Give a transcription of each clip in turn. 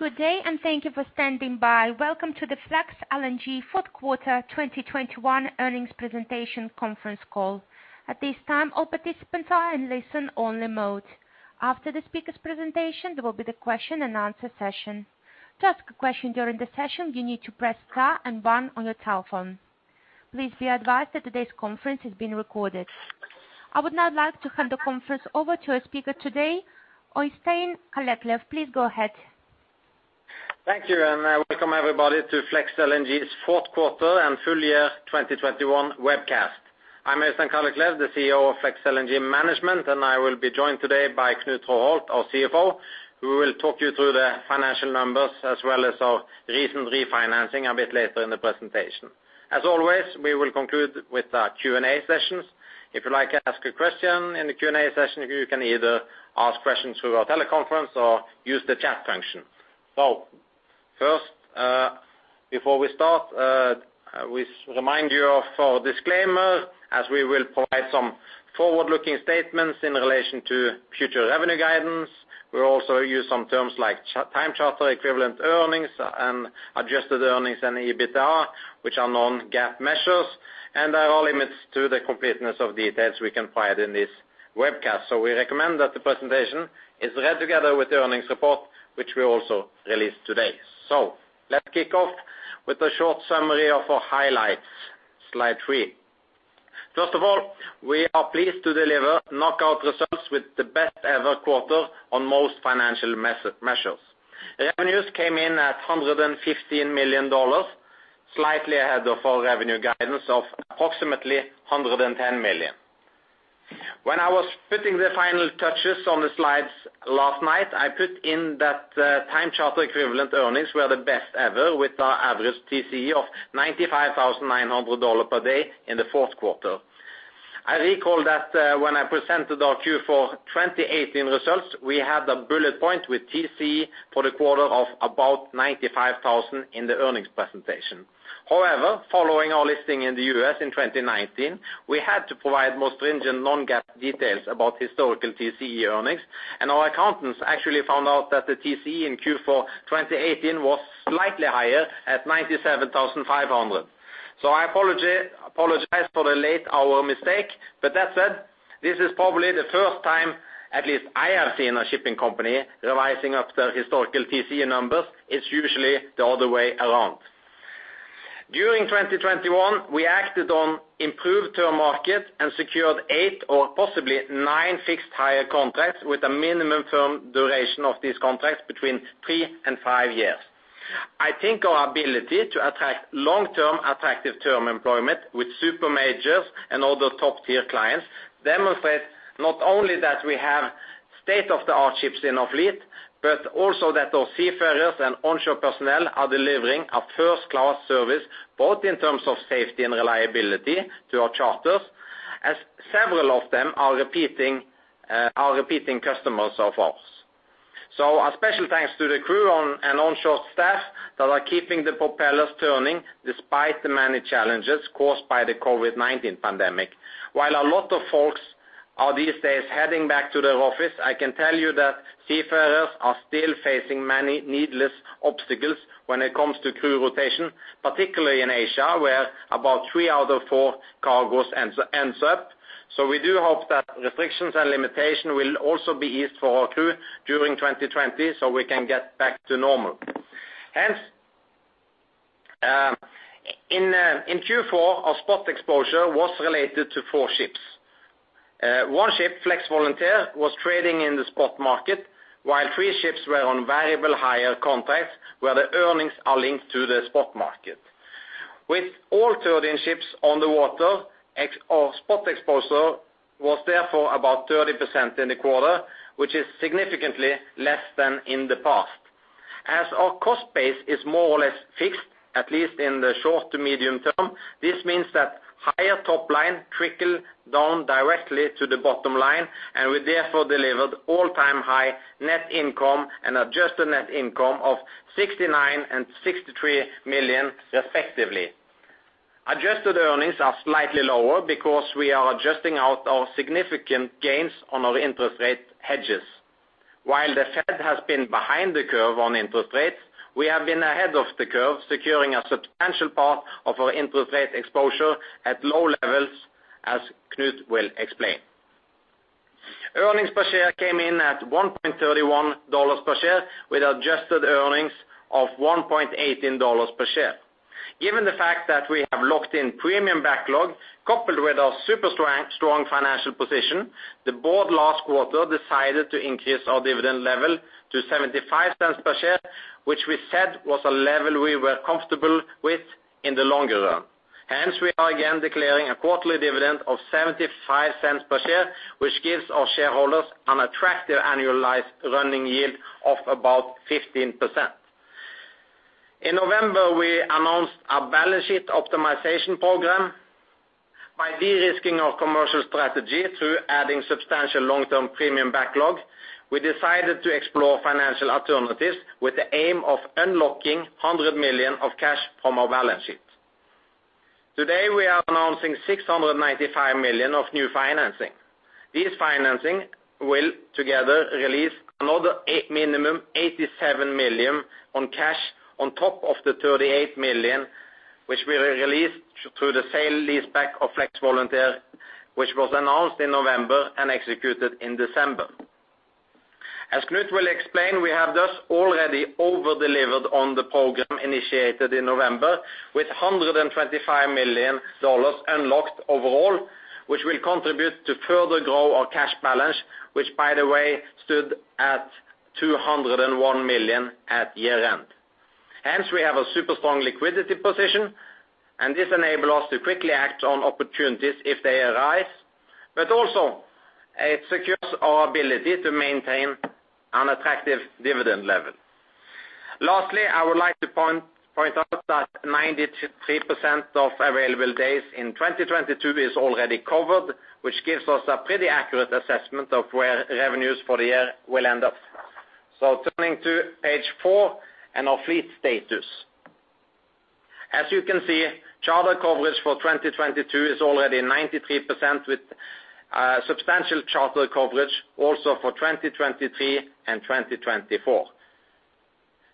Good day, and thank you for standing by. Welcome to the Flex LNG fourth quarter 2021 earnings presentation conference call. At this time, all participants are in listen-only mode. After the speaker's presentation, there will be the question-and-answer session. To ask a question during the session, you need to press star and one on your telephone. Please be advised that today's conference is being recorded. I would now like to hand the conference over to our speaker today, Øystein Kalleklev. Please go ahead. Thank you, and welcome, everybody, to Flex LNG's fourth quarter and full year 2021 webcast. I'm Øystein Kalleklev, the CEO of Flex LNG Management, and I will be joined today by Knut Traaholt, our CFO, who will talk you through the financial numbers as well as our recent refinancing a bit later in the presentation. As always, we will conclude with our Q&A sessions. If you'd like to ask a question in the Q&A session, you can either ask questions through our teleconference or use the chat function. First, before we start, we remind you of our disclaimer as we will provide some forward-looking statements in relation to future revenue guidance. We'll also use some terms like time charter equivalent earnings and adjusted earnings and EBITDAR, which are non-GAAP measures. There are limits to the completeness of details we can provide in this webcast. We recommend that the presentation is read together with the earnings report, which we also released today. Let's kick off with a short summary of our highlights, slide three. First of all, we are pleased to deliver knockout results with the best ever quarter on most financial measures. Revenues came in at $115 million, slightly ahead of our revenue guidance of approximately 110 million. When I was putting the final touches on the slides last night, I put in that time charter equivalent earnings were the best ever with our average TCE of $95,900 per day in the fourth quarter. I recall that when I presented our Q4 2018 results, we had a bullet point with TCE for the quarter of about 95,000 in the earnings presentation. However, following our listing in the U.S. in 2019, we had to provide more stringent non-GAAP details about historical TCE earnings. Our accountants actually found out that the TCE in Q4 2018 was slightly higher at 97,500. I apologize for the late hour mistake. That said, this is probably the first time at least I have seen a shipping company revising up their historical TCE numbers. It's usually the other way around. During 2021, we acted on improved term market and secured eight or possibly nine fixed hire contracts with a minimum firm duration of these contracts between three and five years. I think our ability to attract long-term attractive term employment with super majors and other top-tier clients demonstrates not only that we have state-of-the-art ships in our fleet, but also that our seafarers and onshore personnel are delivering a first-class service, both in terms of safety and reliability to our charters, as several of them are repeating customers of ours. A special thanks to the crew onboard and onshore staff that are keeping the propellers turning despite the many challenges caused by the COVID-19 pandemic. While a lot of folks are these days heading back to their office, I can tell you that seafarers are still facing many needless obstacles when it comes to crew rotation, particularly in Asia, where about three out of four cargos ends up. We do hope that restrctions and limitations will also be eased for our crew during 2020 so we can get back to normal. Hence, in Q4, our spot exposure was related to four ships. One ship, Flex Volunteer, was trading in the spot market, while three ships were on variable hire contracts where the earnings are linked to the spot market. With all 13 ships on the water, our spot exposure was therefore about 30% in the quarter, which is significantly less than in the past. As our cost base is more or less fixed, at least in the short to medium term, this means that higher top line trickle down directly to the bottom line, and we therefore delivered all-time high net income and adjusted net income of 69 million and 63 million respectively. Adjusted earnings are slightly lower because we are adjusting out our significant gains on our interest rate hedges. While the Fed has been behind the curve on interest rates, we have been ahead of the curve, securing a substantial part of our interest rate exposure at low levels as Knut will explain. Earnings per share came in at $1.31 per share with adjusted earnings of $1.18 per share. Given the fact that we have locked in premium backlog coupled with our super strong financial position, the board last quarter decided to increase our dividend level to 0.75 per share, which we said was a level we were comfortable with in the longer run. Hence, we are again declaring a quarterly dividend of 0.75 per share, which gives our shareholders an attractive annualized running yield of about 15%. In November, we announced a balance sheet optimization program. By de-risking our commercial strategy through adding substantial long-term premium backlog, we decided to explore financial alternatives with the aim of unlocking 100 million of cash from our balance sheet. Today, we are announcing 695 million of new financing. This financing will together release another minimum 87 million in cash on top of the 38 million, which we released through the sale leaseback of Flex Volunteer, which was announced in November and executed in December. As Knut will explain, we have thus already over-delivered on the program initiated in November with 125 million unlocked overall, which will contribute to further grow our cash balance, which by the way, stood at 201 million at year-end. Hence, we have a super strong liquidity position, and this enable us to quickly act on opportunities if they arise, but also it secures our ability to maintain an attractive dividend level. Lastly, I would like to point out that 93% of available days in 2022 is already covered, which gives us a pretty accurate assessment of where revenues for the year will end up. Turning to page four and our fleet status. As you can see, charter coverage for 2022 is already 93% with substantial charter coverage also for 2023 and 2024.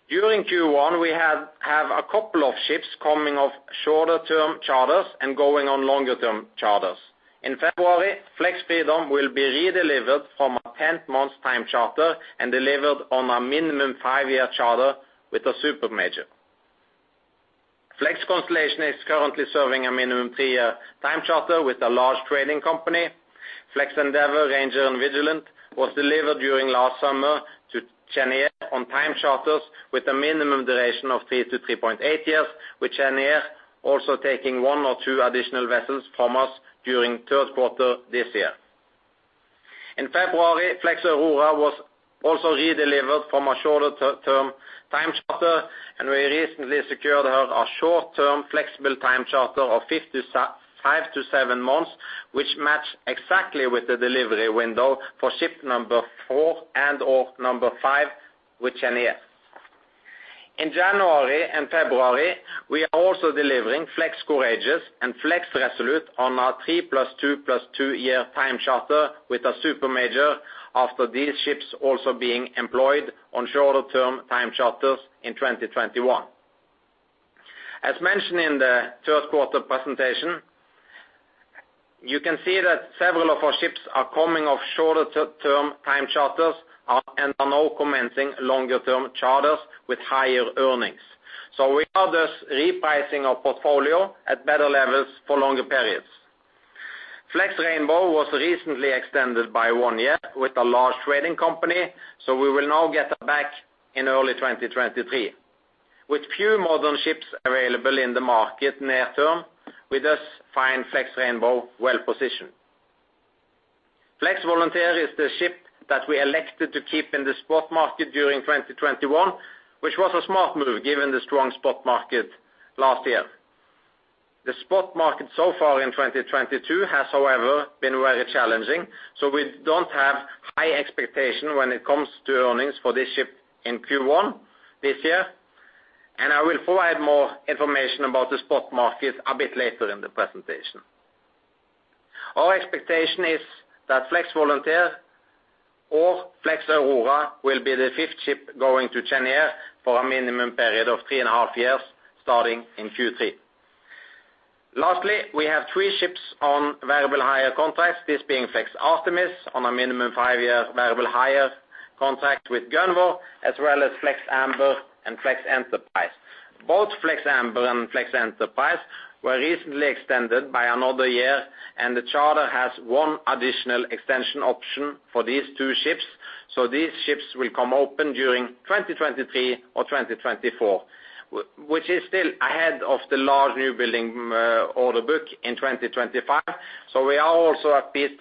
During Q1, we have a couple of ships coming off shorter term charters and going on longer term charters. In February, Flex Freedom will be redelivered from a 10-month time charter and delivered on a minimum five-year charter with a supermajor. Flex Constellation is currently serving a minimum three-year time charter with a large trading company. Flex Endeavour, Ranger, and Vigilant was delivered during last summer to Cheniere on time charters with a minimum duration of three-3.8 years, with Cheniere also taking one or two additional vessels from us during third quarter this year. In February, Flex Aurora was also redelivered from a shorter term time charter, and we recently secured her a short-term flexible time charter of five-seven months, which match exactly with the delivery window for ship number four and or number five with Cheniere. In January and February, we are also delivering Flex Courageous and Flex Resolute on a three + two + two-year time charter with a supermajor after these ships also being employed on shorter term time charters in 2021. As mentioned in the third quarter presentation, you can see that several of our ships are coming off shorter-term time charters, and are now commencing longer-term charters with higher earnings. We are thus repricing our portfolio at better levels for longer periods. Flex Rainbow was recently extended by one year with a large trading company, so we will now get her back in early 2023. With few modern ships available in the market near term, we thus find Flex Rainbow well-positioned. Flex Volunteer is the ship that we elected to keep in the spot market during 2021, which was a smart move given the strong spot market last year. The spot market so far in 2022 has, however, been very challenging, so we don't have high expectation when it comes to earnings for this ship in Q1 this year. I will provide more information about the spot market a bit later in the presentation. Our expectation is that Flex Volunteer or Flex Aurora will be the fifth ship going to Cheniere for a minimum period of three and a half years, starting in Q3. Lastly, we have three ships on variable hire contracts, this being Flex Artemis on a minimum five-year variable hire contract with Gunvor, as well as Flex Amber and Flex Enterprise. Both Flex Amber and Flex Enterprise were recently extended by another year, and the charter has one additional extension option for these two ships, so these ships will come open during 2023 or 2024, which is still ahead of the large newbuilding order book in 2025. We are also upbeat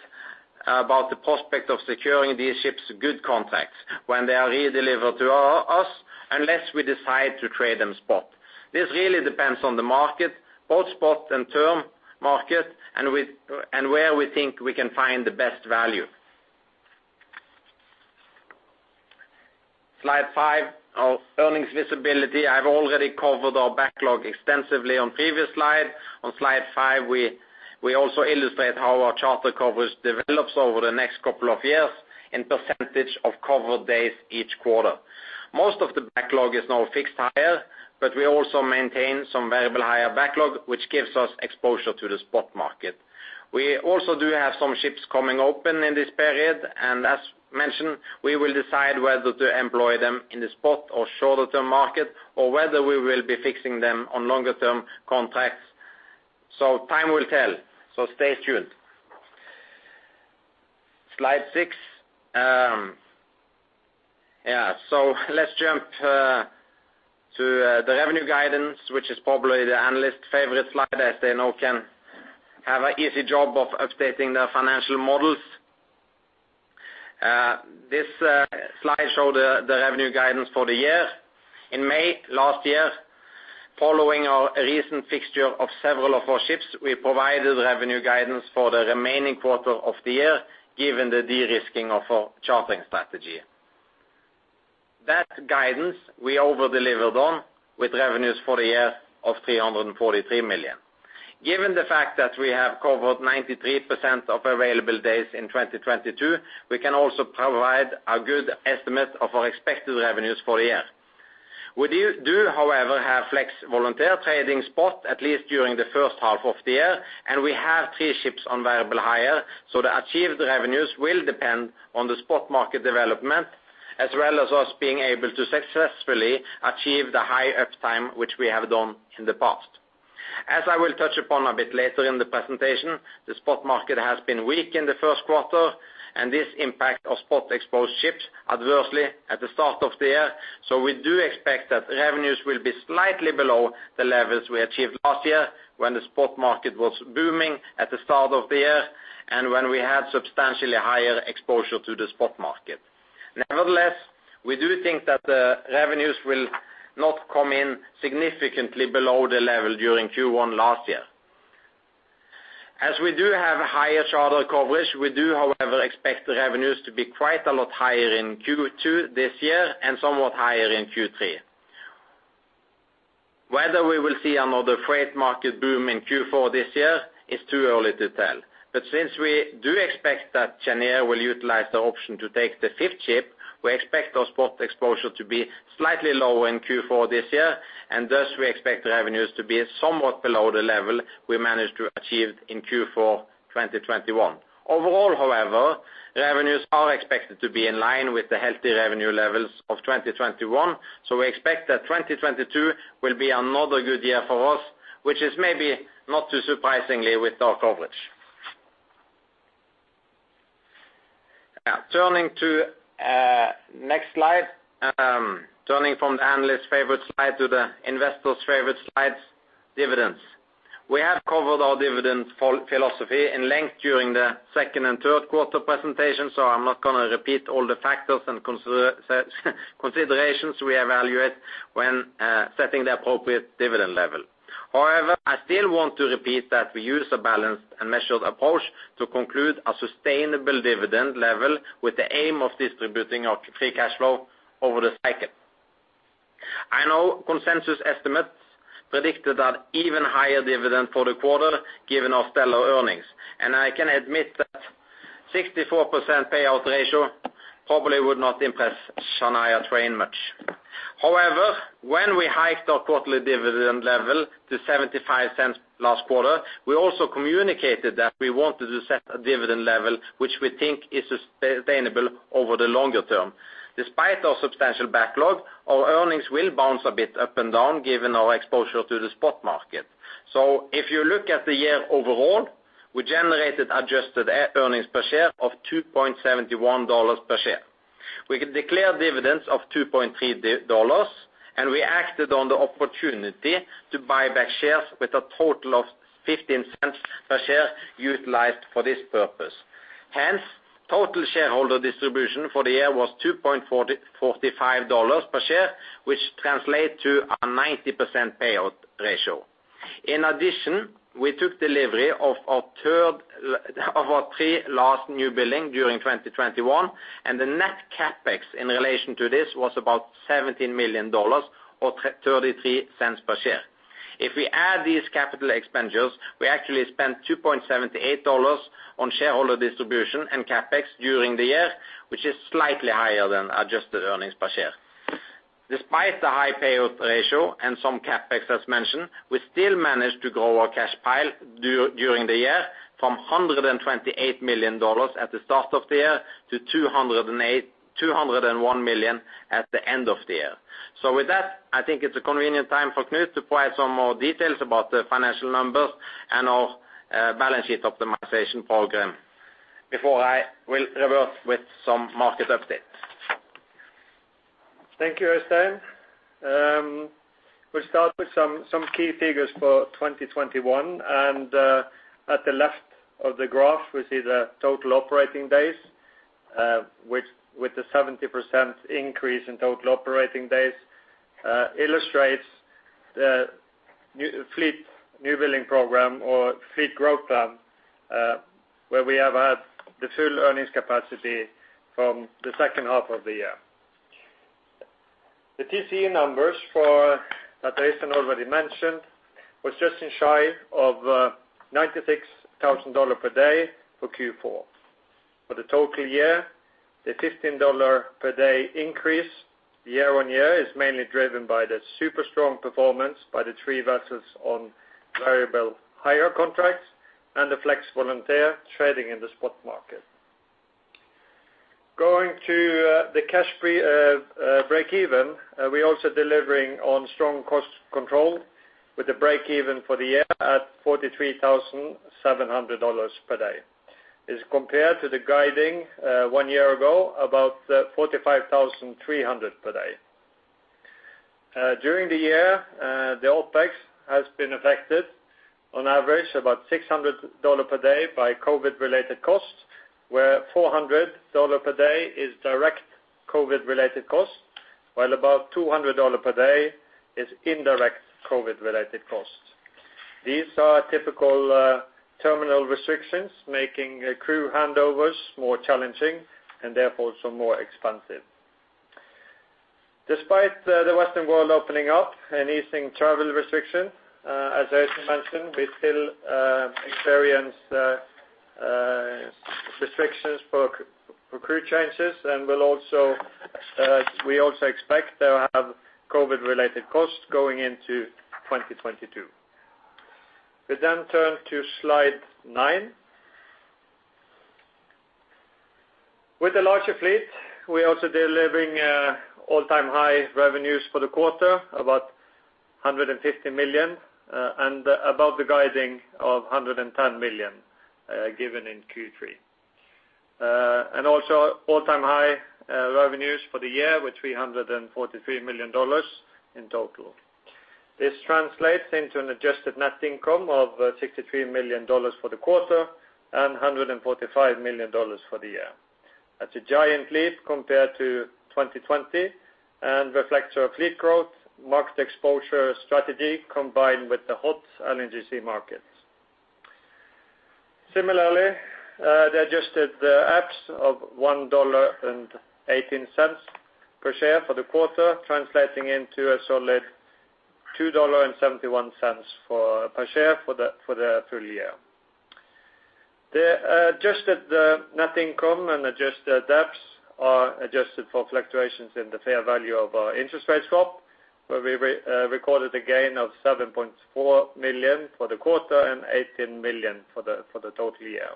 about the prospect of securing these ships good contracts when they are redelivered to us, unless we decide to trade them spot. This really depends on the market, both spot and term market, and where we think we can find the best value. Slide five, our earnings visibility. I've already covered our backlog extensively on previous slide. On Slide five, we also illustrate how our charter coverage develops over the next couple of years in percentage of covered days each quarter. Most of the backlog is now fixed hire, but we also maintain some variable hire backlog, which gives us exposure to the spot market. We also do have some ships coming open in this period, and as mentioned, we will decide whether to employ them in the spot or shorter term market or whether we will be fixing them on longer term contracts. Time will tell. Stay tuned. Slide six. Let's jump to the revenue guidance, which is probably the analyst favorite slide, as they now can have an easy job of updating their financial models. This slide shows the revenue guidance for the year. In May last year, following our recent fixture of several of our ships, we provided revenue guidance for the remaining quarter of the year, given the de-risking of our chartering strategy. That guidance we overdelivered on with revenues for the year of 343 million. Given the fact that we have covered 93% of available days in 2022, we can also provide a good estimate of our expected revenues for the year. We do however have Flex Volunteer trading spot, at least during the first half of the year, and we have three ships on variable hire, so the achieved revenues will depend on the spot market development as well as us being able to successfully achieve the high uptime which we have done in the past. As I will touch upon a bit later in the presentation, the spot market has been weak in the first quarter, and this impacts our spot-exposed ships adversely at the start of the year. We do expect that revenues will be slightly below the levels we achieved last year when the spot market was booming at the start of the year and when we had substantially higher exposure to the spot market. Nevertheless, we do think that the revenues will not come in significantly below the level during Q1 last year. As we do have higher charter coverage, we do, however, expect the revenues to be quite a lot higher in Q2 this year and somewhat higher in Q3. Whether we will see another freight market boom in Q4 this year is too early to tell. Since we do expect that Cheniere will utilize the option to take the fifth ship, we expect our spot exposure to be slightly lower in Q4 this year, and thus we expect revenues to be somewhat below the level we managed to achieve in Q4 2021. Overall, however, revenues are expected to be in line with the healthy revenue levels of 2021. We expect that 2022 will be another good year for us, which is maybe not too surprisingly with our coverage. Now turning to next slide. Turning from the analyst's favorite slide to the investor's favorite slides, dividends. We have covered our dividend philosophy at length during the second and third quarter presentation, so I'm not going to repeat all the factors and considerations we evaluate when setting the appropriate dividend level. However, I still want to repeat that we use a balanced and measured approach to conclude a sustainable dividend level with the aim of distributing our free cash flow over the cycle. I know consensus estimates predicted an even higher dividend for the quarter given our stellar earnings. I can admit that 64% payout ratio probably would not impress Shania Twain much. However, when we hiked our quarterly dividend level to 0.75 last quarter, we also communicated that we wanted to set a dividend level which we think is sustainable over the longer term. Despite our substantial backlog, our earnings will bounce a bit up and down given our exposure to the spot market. If you look at the year overall, we generated adjusted earnings per share of $2.71 per share. We could declare dividends of $2.3, and we acted on the opportunity to buy back shares with a total of 0.15 per share utilized for this purpose. Hence, total shareholder distribution for the year was $2.45 per share, which translate to a 90% payout ratio. In addition, we took delivery of our third of our three last newbuilding during 2021, and the net CapEx in relation to this was about $17 million or 0.33 per share. If we add these capital expenditures, we actually spent $2.78 on shareholder distribution and CapEx during the year, which is slightly higher than adjusted earnings per share. Despite the high payout ratio and some CapEx as mentioned, we still managed to grow our cash pile during the year from $128 million at the start of the year to $201 million at the end of the year. With that, I think it's a convenient time for Knut to provide some more details about the financial numbers and our balance sheet optimization program before I will revert with some market updates. Thank you, Øystein. We'll start with some key figures for 2021. At the left of the graph, we see the total operating days, which with the 70% increase in total operating days illustrates the fleet newbuilding program or fleet growth plan, where we have had the full earnings capacity from the second half of the year. The TCE numbers for, as Øystein already mentioned, was just shy of $96,000 per day for Q4. For the total year, the $15 per day increase year-on-year is mainly driven by the super strong performance by the three vessels on variable hire contracts and the Flex Volunteer trading in the spot market. Going to the cash breakeven, we're also delivering on strong cost control with the breakeven for the year at $43,700 per day as compared to the guiding one year ago, about 45,300 per day. During the year, the OpEx has been affected on average about $600 per day by COVID-related costs, where $400 per day is direct COVID-related costs, while about $200 per day is indirect COVID-related costs. These are typical terminal restrictions making crew handovers more challenging and therefore more expensive. Despite the Western world opening up and easing travel restriction, as I mentioned, we still experience restrictions for crew changes, and we also expect to have COVID-related costs going into 2022. We then turn to slide nine. With the larger fleet, we're also delivering all-time high revenues for the quarter, about 150 million, and above the guiding of 110 million given in Q3. Also all-time high revenues for the year with $343 million in total. This translates into an adjusted net income of $63 million for the quarter and $145 million for the year. That's a giant leap compared to 2020 and reflects our fleet growth, market exposure strategy combined with the hot LNGC markets. Similarly, the adjusted EPS of $1.18 per share for the quarter translating into a solid $2.71 per share for the full year. The adjusted net income and adjusted EPS are adjusted for fluctuations in the fair value of our interest rate swap, where we re-recorded a gain of 7.4 million for the quarter and 18 million for the total year.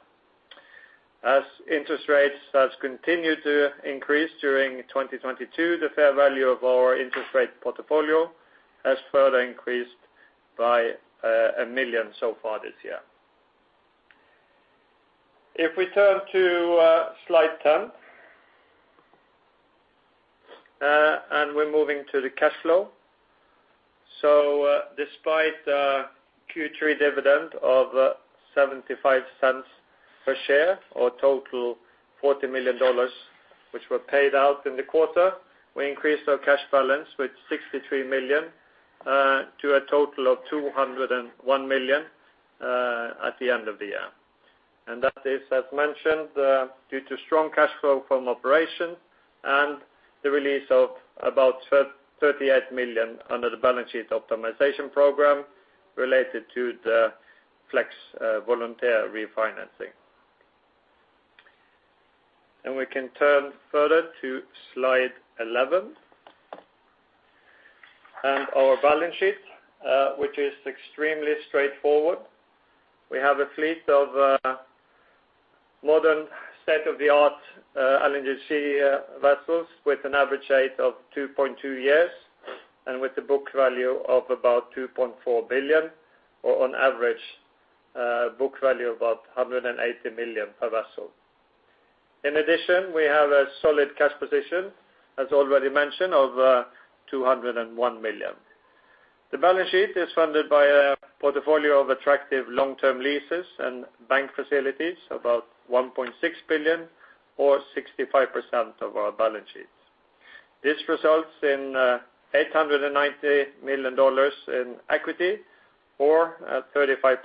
As interest rates has continued to increase during 2022, the fair value of our interest rate portfolio has further increased by 1 million so far this year. If we turn to slide 10. We're moving to the cash flow. Despite Q3 dividend of 75 cents per share, or total $40 million, which were paid out in the quarter, we increased our cash balance with 63 million to a total of 201 million at the end of the year. That is, as mentioned, due to strong cash flow from operation and the release of about $38 million under the balance sheet optimization program related to the Flex Volunteer refinancing. We can turn further to slide 11. Our balance sheet, which is extremely straightforward. We have a fleet of modern state-of-the-art LNGC vessels with an average age of 2.2 years and with a book value of about 2.4 billion, or on average, book value of about 180 million per vessel. In addition, we have a solid cash position, as already mentioned, of 201 million. The balance sheet is funded by a portfolio of attractive long-term leases and bank facilities, about 1.6 billion or 65% of our balance sheets. This results in $890 million in equity or a 35%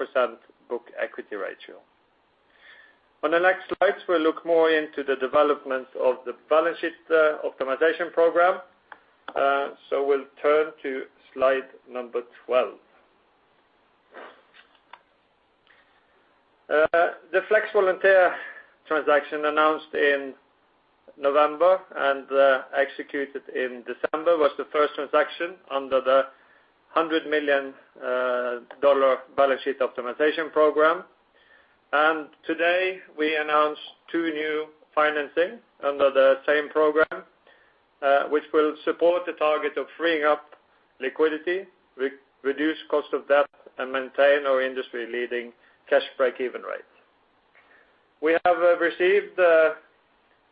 book equity ratio. On the next slides, we'll look more into the development of the balance sheet optimization program. We'll turn to slide number 12. The Flex Volunteer transaction announced in November and executed in December was the first transaction under the $100 million balance sheet optimization program. Today, we announced two new financing under the same program, which will support the target of freeing up liquidity, reduce cost of debt, and maintain our industry-leading cash break-even rate. We have received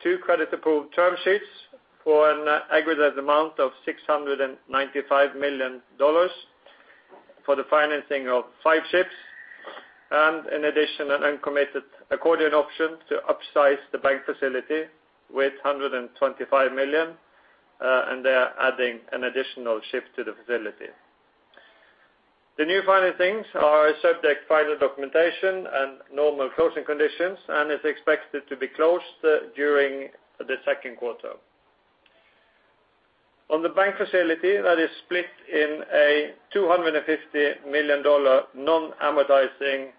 two credit-approved term sheets for an aggregate amount of $695 million for the financing of five ships, and in addition, an uncommitted accordion option to upsize the bank facility with 125 million, and they are adding an additional ship to the facility. The new financings are subject to final documentation and normal closing conditions, and is expected to be closed during the second quarter. On the bank facility that is split in a $250 million non-amortizing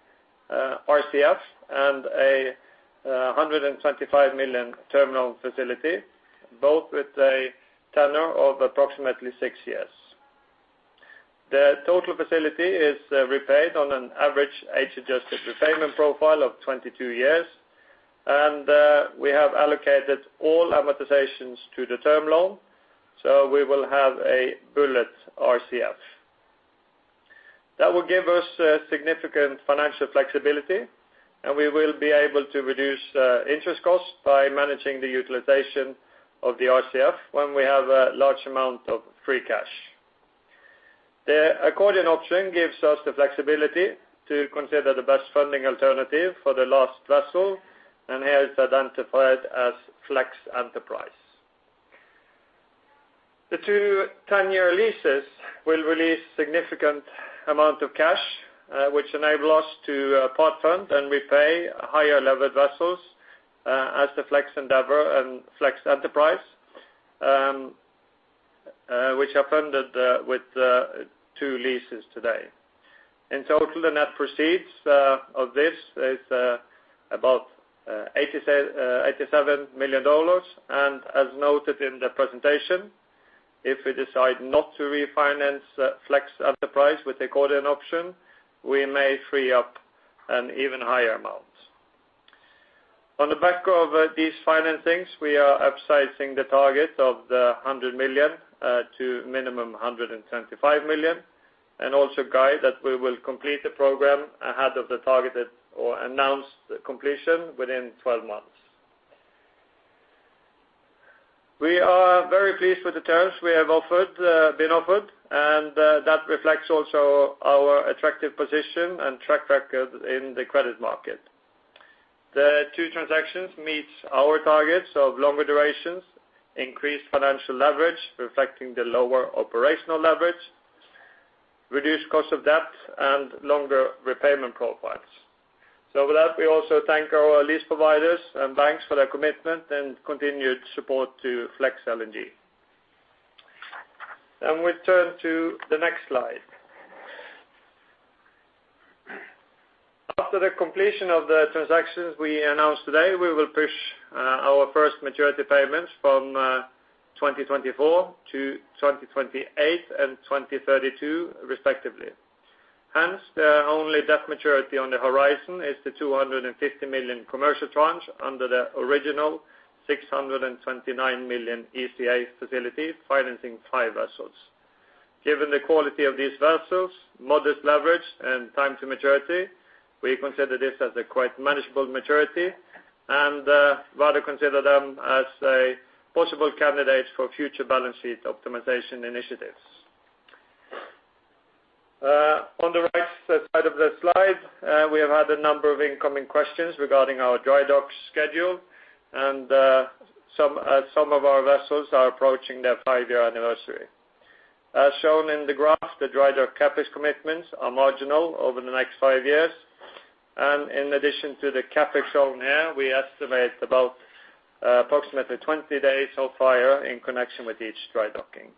RCF and a 125 million term facility, both with a tenor of approximately six years. The total facility is repaid on an average age-adjusted repayment profile of 22 years, and we have allocated all amortizations to the term loan, so we will have a bullet RCF. That will give us significant financial flexibility, and we will be able to reduce interest costs by managing the utilization of the RCF when we have a large amount of free cash. The accordion option gives us the flexibility to consider the best funding alternative for the last vessel and is identified as Flex Enterprise. The two 10-year leases will release significant amount of cash, which enable us to part fund and repay higher levered vessels, as the Flex Endeavour and Flex Enterprise, which are funded with the two leases today. In total, the net proceeds of this is about $87 million. As noted in the presentation, if we decide not to refinance Flex Enterprise with the accordion option, we may free up an even higher amount. On the back of these financings, we are upsizing the target of the 100 million to minimum 125 million, and also guide that we will complete the program ahead of the targeted or announced completion within 12 months. We are very pleased with the terms we have been offered, and that reflects also our attractive position and track record in the credit market. The two transactions meets our targets of longer durations, increased financial leverage, reflecting the lower operational leverage, reduced cost of debt, and longer repayment profiles. With that, we also thank our lease providers and banks for their commitment and continued support to Flex LNG. We turn to the next slide. After the completion of the transactions we announced today, we will push our first maturity payments from 2024 to 2028 and 2032 respectively. Hence, the only debt maturity on the horizon is the 250 million commercial tranche under the original 629 million ECA facility financing five vessels. Given the quality of these vessels, modest leverage, and time to maturity, we consider this as a quite manageable maturity and rather consider them as a possible candidate for future balance sheet optimization initiatives. On the right side of the slide, we have had a number of incoming questions regarding our drydock schedule, and some of our vessels are approaching their five-year anniversary. As shown in the graph, the drydock CapEx commitments are marginal over the next five years. In addition to the CapEx shown here, we estimate about approximately 20 days of off-hire in connection with each drydocking.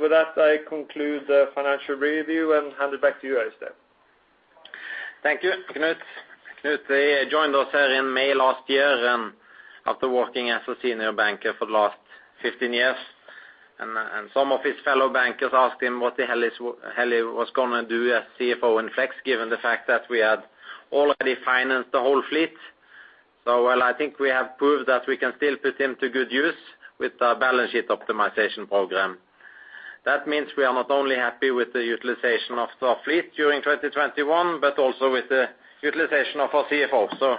With that, I conclude the financial review and hand it back to you, Øystein. Thank you, Knut. Knut, he joined us here in May last year and after working as a senior banker for the last 15 years. Some of his fellow bankers asked him what the hell he was gonna do as CFO in Flex, given the fact that we had already financed the whole fleet. Well, I think we have proved that we can still put him to good use with our balance sheet optimization program. That means we are not only happy with the utilization of our fleet during 2021, but also with the utilization of our CFO.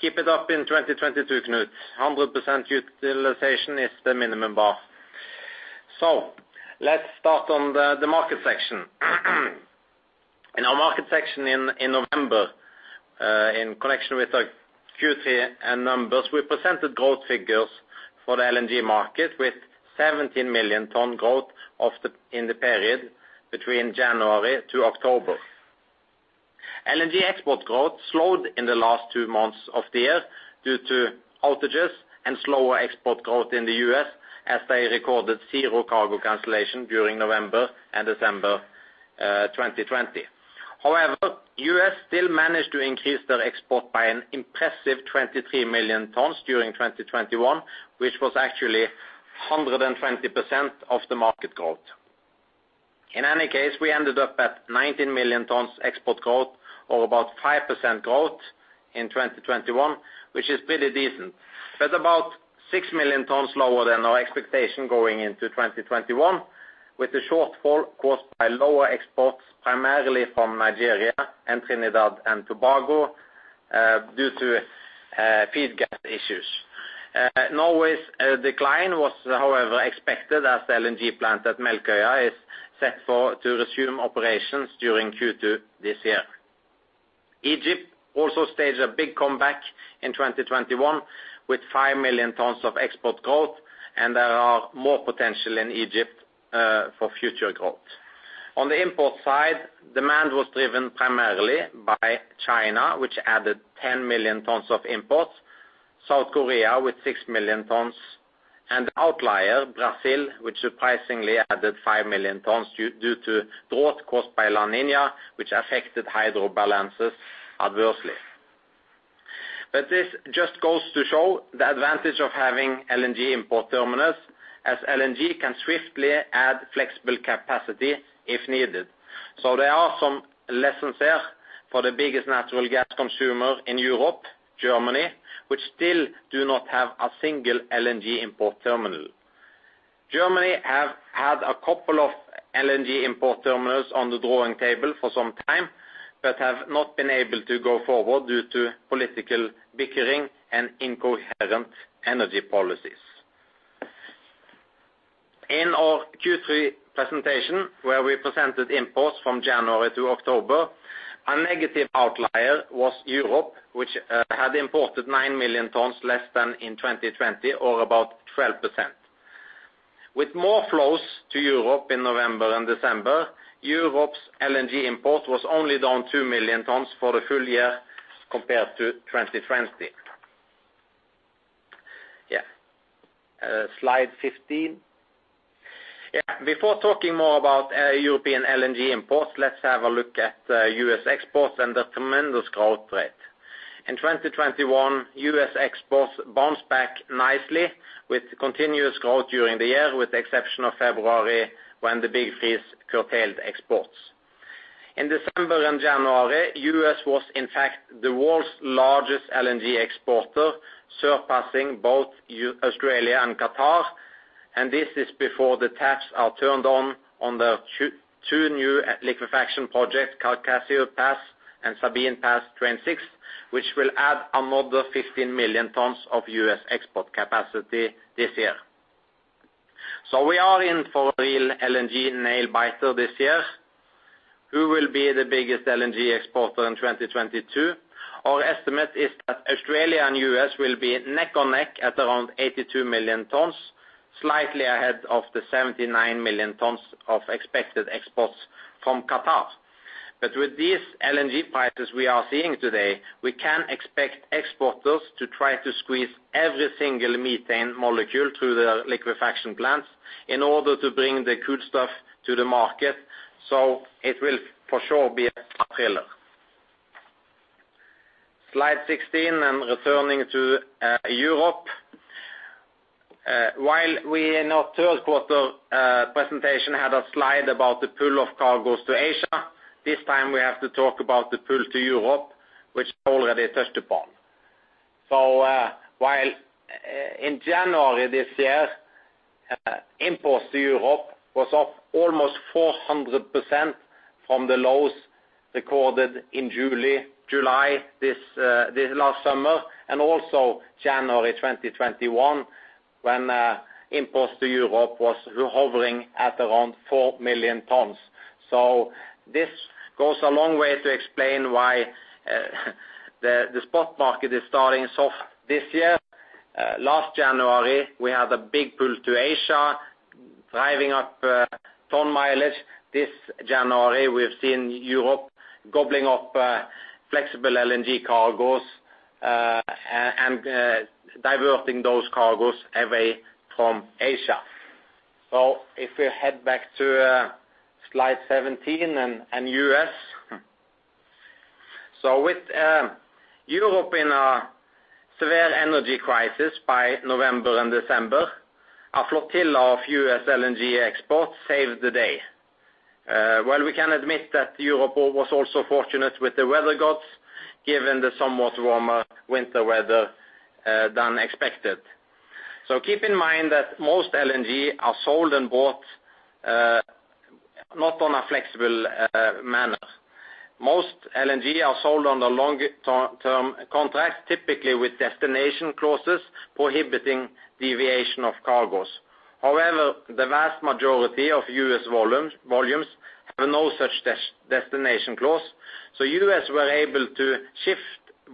Keep it up in 2022, Knut. 100% utilization is the minimum bar. Let's start on the market section. In our market section in November, in connection with our Q3 and numbers, we presented growth figures for the LNG market with 17 million ton growth in the period between January to October. LNG export growth slowed in the last two months of the year due to outages and slower export growth in the U.S., as they recorded zero cargo cancellation during November and December, 2020. However, U.S. still managed to increase their export by an impressive 23 million tons during 2021, which was actually 120% of the market growth. In any case, we ended up at 19 million tons export growth, or about 5% growth in 2021, which is pretty decent, but about 6 million tons lower than our expectation going into 2021, with the shortfall caused by lower exports, primarily from Nigeria and Trinidad & Tobago, due to feed gas issues. Norway's decline was, however, expected as the LNG plant at Melkøya is set to resume operations during Q2 this year. Egypt also staged a big comeback in 2021 with 5 million tons of export growth, and there are more potential in Egypt, for future growth. On the import side, demand was driven primarily by China, which added 10 million tons of imports, South Korea with 6 million tons, and outlier Brazil, which surprisingly added 5 million tons due to drought caused by La Niña, which affected hydro balances adversely. This just goes to show the advantage of having LNG import terminals, as LNG can swiftly add flexible capacity if needed. There are some lessons here for the biggest natural gas consumer in Europe, Germany, which still do not have a single LNG import terminal. Germany have had a couple of LNG import terminals on the drawing table for some time, but have not been able to go forward due to political bickering and incoherent energy policies. In our Q3 presentation, where we presented imports from January to October. A negative outlier was Europe, which had imported 9 million tons less than in 2020 or about 12%. With more flows to Europe in November and December, Europe's LNG import was only down 2 million tons for the full year compared to 2020. Slide 15. Before talking more about European LNG imports, let's have a look at U.S. exports and the tremendous growth rate. In 2021, U.S. exports bounced back nicely with continuous growth during the year, with the exception of February when the big freeze curtailed exports. In December and January, U.S. was in fact the world's largest LNG exporter, surpassing both Australia and Qatar. This is before the taps are turned on on the two new liquefaction projects, Calcasieu Pass and Sabine Pass Train 6, which will add another 15 million tons of U.S. export capacity this year. We are in for real LNG nail biter this year. Who will be the biggest LNG exporter in 2022? Our estimate is that Australia and U.S. will be neck and neck at around 82 million tons, slightly ahead of the 79 million tons of expected exports from Qatar. With these LNG prices we are seeing today, we can expect exporters to try to squeeze every single methane molecule through their liquefaction plants in order to bring the good stuff to the market. It will for sure be a thriller. Slide 16 and returning to Europe. While we in our third quarter presentation had a slide about the pool of cargos to Asia, this time we have to talk about the pool to Europe, which is already touched upon. While in January this year, imports to Europe was up almost 400% from the lows recorded in July this last summer, and also January 2021, when imports to Europe was hovering at around 4 million tons. This goes a long way to explain why the spot market is starting soft this year. Last January, we had a big pool to Asia driving up ton-mileage. This January, we've seen Europe gobbling up flexible LNG cargos and diverting those cargos away from Asia. If we head back to slide 17 and U.S. With Europe in a severe energy crisis by November and December, a flotilla of U.S. LNG exports saved the day. Well, we can admit that Europe was also fortunate with the weather gods, given the somewhat warmer winter weather than expected. Keep in mind that most LNG are sold and bought not on a flexible manner. Most LNG are sold on the longer-term contracts, typically with destination clauses prohibiting deviation of cargos. However, the vast majority of U.S. volumes have no such destination clause. U.S. were able to shift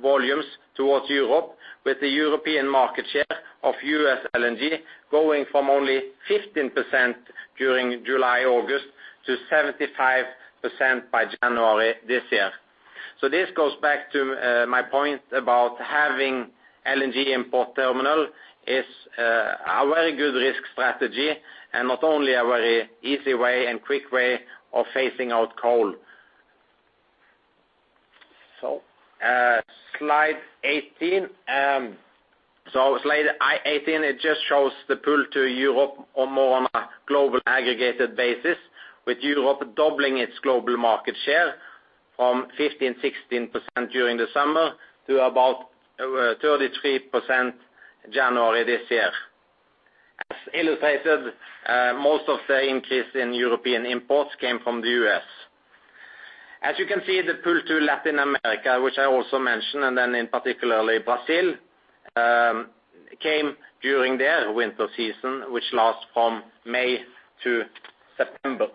volumes towards Europe with the European market share of U.S. LNG going from only 15% during July, August to 75% by January this year. This goes back to my point about having LNG import terminal is a very good risk strategy and not only a very easy way and quick way of phasing out coal. Slide 18. It just shows the pull to Europe on a global aggregated basis, with Europe doubling its global market share from 15-16% during the summer to about 33% January this year. As illustrated, most of the increase in European imports came from the U.S. As you can see, the pull to Latin America, which I also mentioned, and then in particular Brazil, came during their winter season, which lasts from May to September.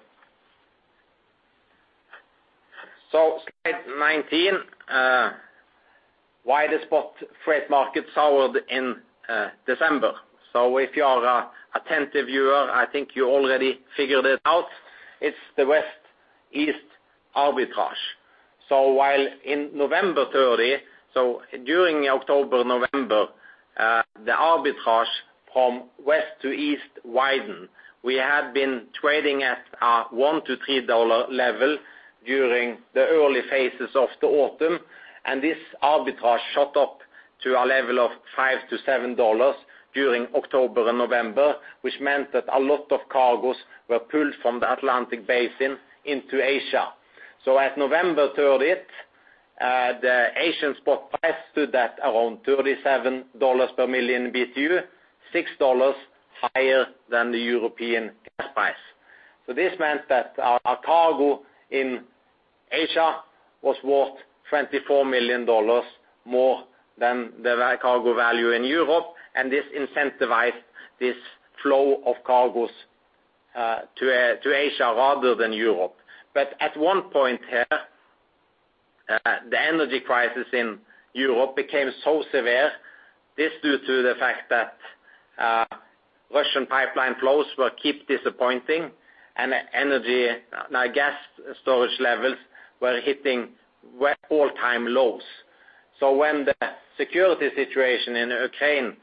Slide 19, why the spot freight market soured in December. If you are an attentive viewer, I think you already figured it out. It's the West-East arbitrage. While in November 30, during October, November, the arbitrage from West to East widened. We had been trading at a $1-$3 level during the early phases of the autumn, and this arbitrage shot up to a level of $5-$7 during October and November, which meant that a lot of cargos were pulled from the Atlantic basin into Asia. At November 30, the Asian spot price stood at around $37 per million BTU, $6 higher than the European gas price. This meant that a cargo in Asia was worth $24 million more than the cargo value in Europe, and this incentivized this flow of cargos to Asia rather than Europe. At one point here, the energy crisis in Europe became so severe. This is due to the fact that Russian pipeline flows will keep disappointing and gas storage levels were hitting all-time lows. When the security situation in Ukraine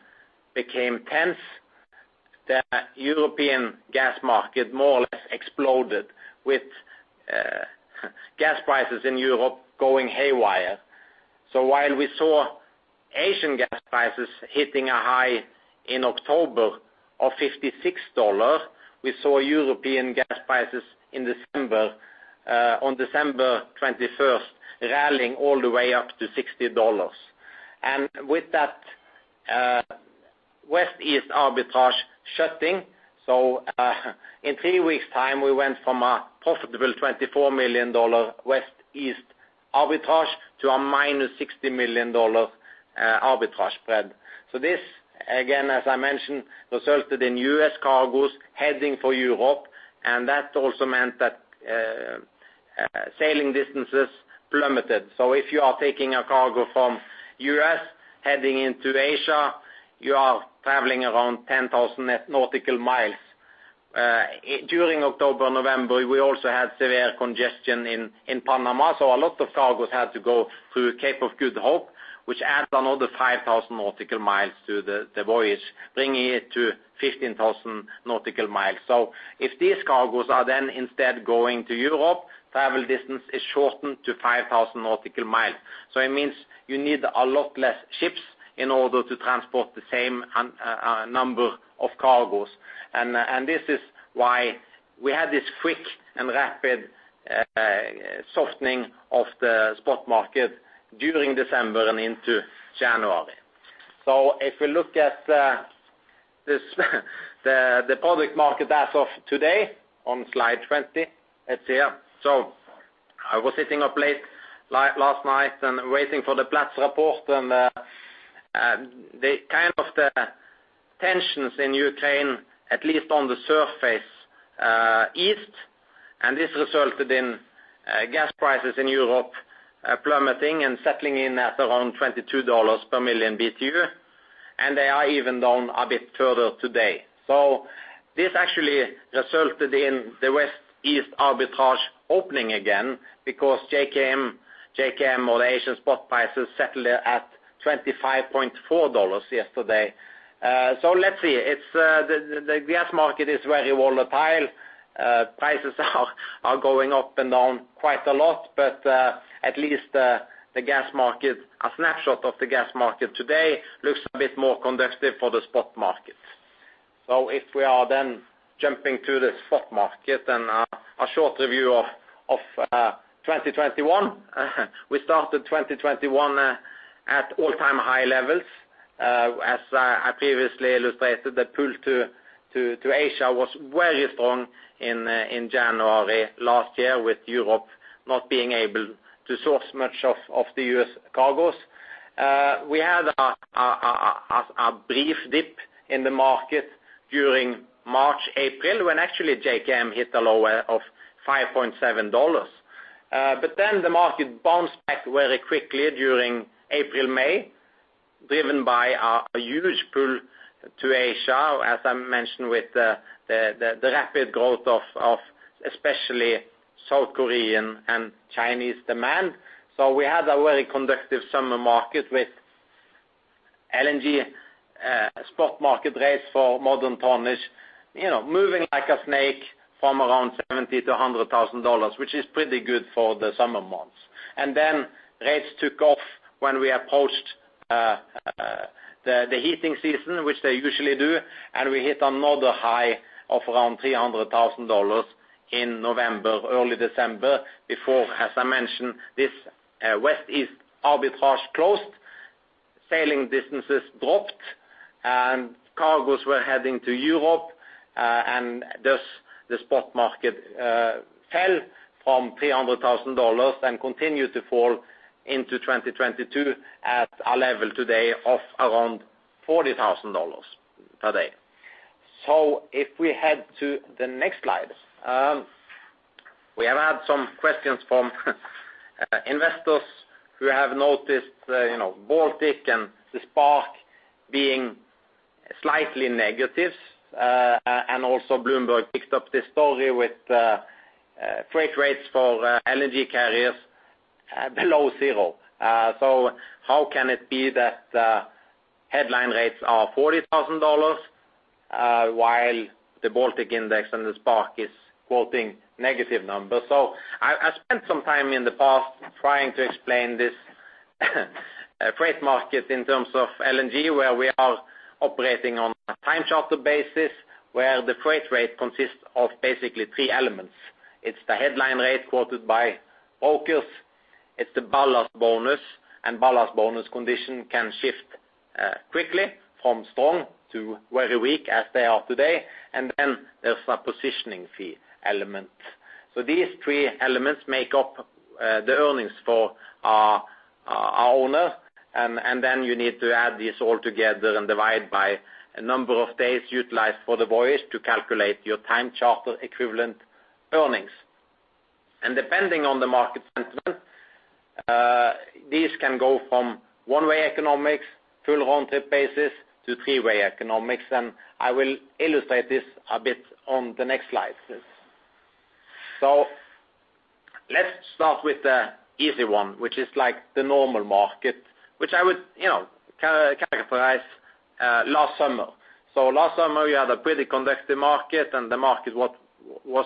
became tense, the European gas market more or less exploded with gas prices in Europe going haywire. While we saw Asian gas prices hitting a high in October of $56, we saw European gas prices in December, on December 21, rallying all the way up to $60. With that, West-East arbitrage shutting, in three weeks' time, we went from a profitable $24 million West-East arbitrage to a minus $60 million arbitrage spread. This, again, as I mentioned, resulted in U.S. cargoes heading for Europe, and that also meant that sailing distances plummeted. If you are taking a cargo from U.S. heading into Asia, you are traveling around 10,000 nautical miles. During October, November, we also had severe congestion in Panama, so a lot of cargoes had to go through Cape of Good Hope, which adds another 5,000 nautical miles to the voyage, bringing it to 15,000 nautical miles. If these cargoes are then instead going to Europe, travel distance is shortened to 5,000 nautical miles. It means you need a lot less ships in order to transport the same number of cargoes. This is why we had this quick and rapid softening of the spot market during December and into January. If we look at this, the public market as of today on slide 20, let's see here. I was sitting up late last night and waiting for the Platts report, and the kind of the tensions in Ukraine, at least on the surface, eased, and this resulted in gas prices in Europe plummeting and settling in at around $22 per million BTU, and they are even down a bit further today. This actually resulted in the West-East arbitrage opening again because JKM or the Asian spot prices settled at $25.4 yesterday. Let's see. It's the gas market is very volatile. Prices are going up and down quite a lot, but at least the gas market, a snapshot of the gas market today looks a bit more conducive for the spot market. If we are then jumping to the spot market and a short review of 2021. We started 2021 at all-time high levels. As I previously illustrated, the pull to Asia was very strong in January last year, with Europe not being able to source much of the U.S. cargoes. We had a brief dip in the market during March, April, when actually JKM hit a low of $5.7. Then the market bounced back very quickly during April, May, driven by a huge pull to Asia, as I mentioned, with the rapid growth of especially South Korean and Chinese demand. We had a very conducive summer market with LNG, spot market rates for modern tonnage, you know, moving like a snake from around $70,000-$100,000, which is pretty good for the summer months. Then rates took off when we approached the heating season, which they usually do, and we hit another high of around $300,000 in November, early December, before, as I mentioned, this West-East arbitrage closed, sailing distances dropped, and cargoes were heading to Europe, and thus the spot market fell from $300,000 and continued to fall into 2022 at a level today of around $40,000 per day. If we head to the next slide. We have had some questions from investors who have noticed, you know, Baltic and the Spark being slightly negative, and also Bloomberg picked up this story with freight rates for LNG carriers below zero. How can it be that headline rates are $40,000 while the Baltic index and the Spark is quoting negative numbers? I spent some time in the past trying to explain this freight market in terms of LNG, where we are operating on a time charter basis, where the freight rate consists of basically three elements. It's the headline rate quoted by brokers, it's the ballast bonus, and ballast bonus condition can shift quickly from strong to very weak as they are today. There's a positioning fee element. These three elements make up the earnings for our owner, and then you need to add this all together and divide by a number of days utilized for the voyage to calculate your time charter equivalent earnings. Depending on the market sentiment, this can go from one-way economics, full-haul basis to three-way economics, and I will illustrate this a bit on the next slides. Let's start with the easy one, which is like the normal market, which I would, you know, characterize last summer. Last summer, you had a pretty conducive market, and the market was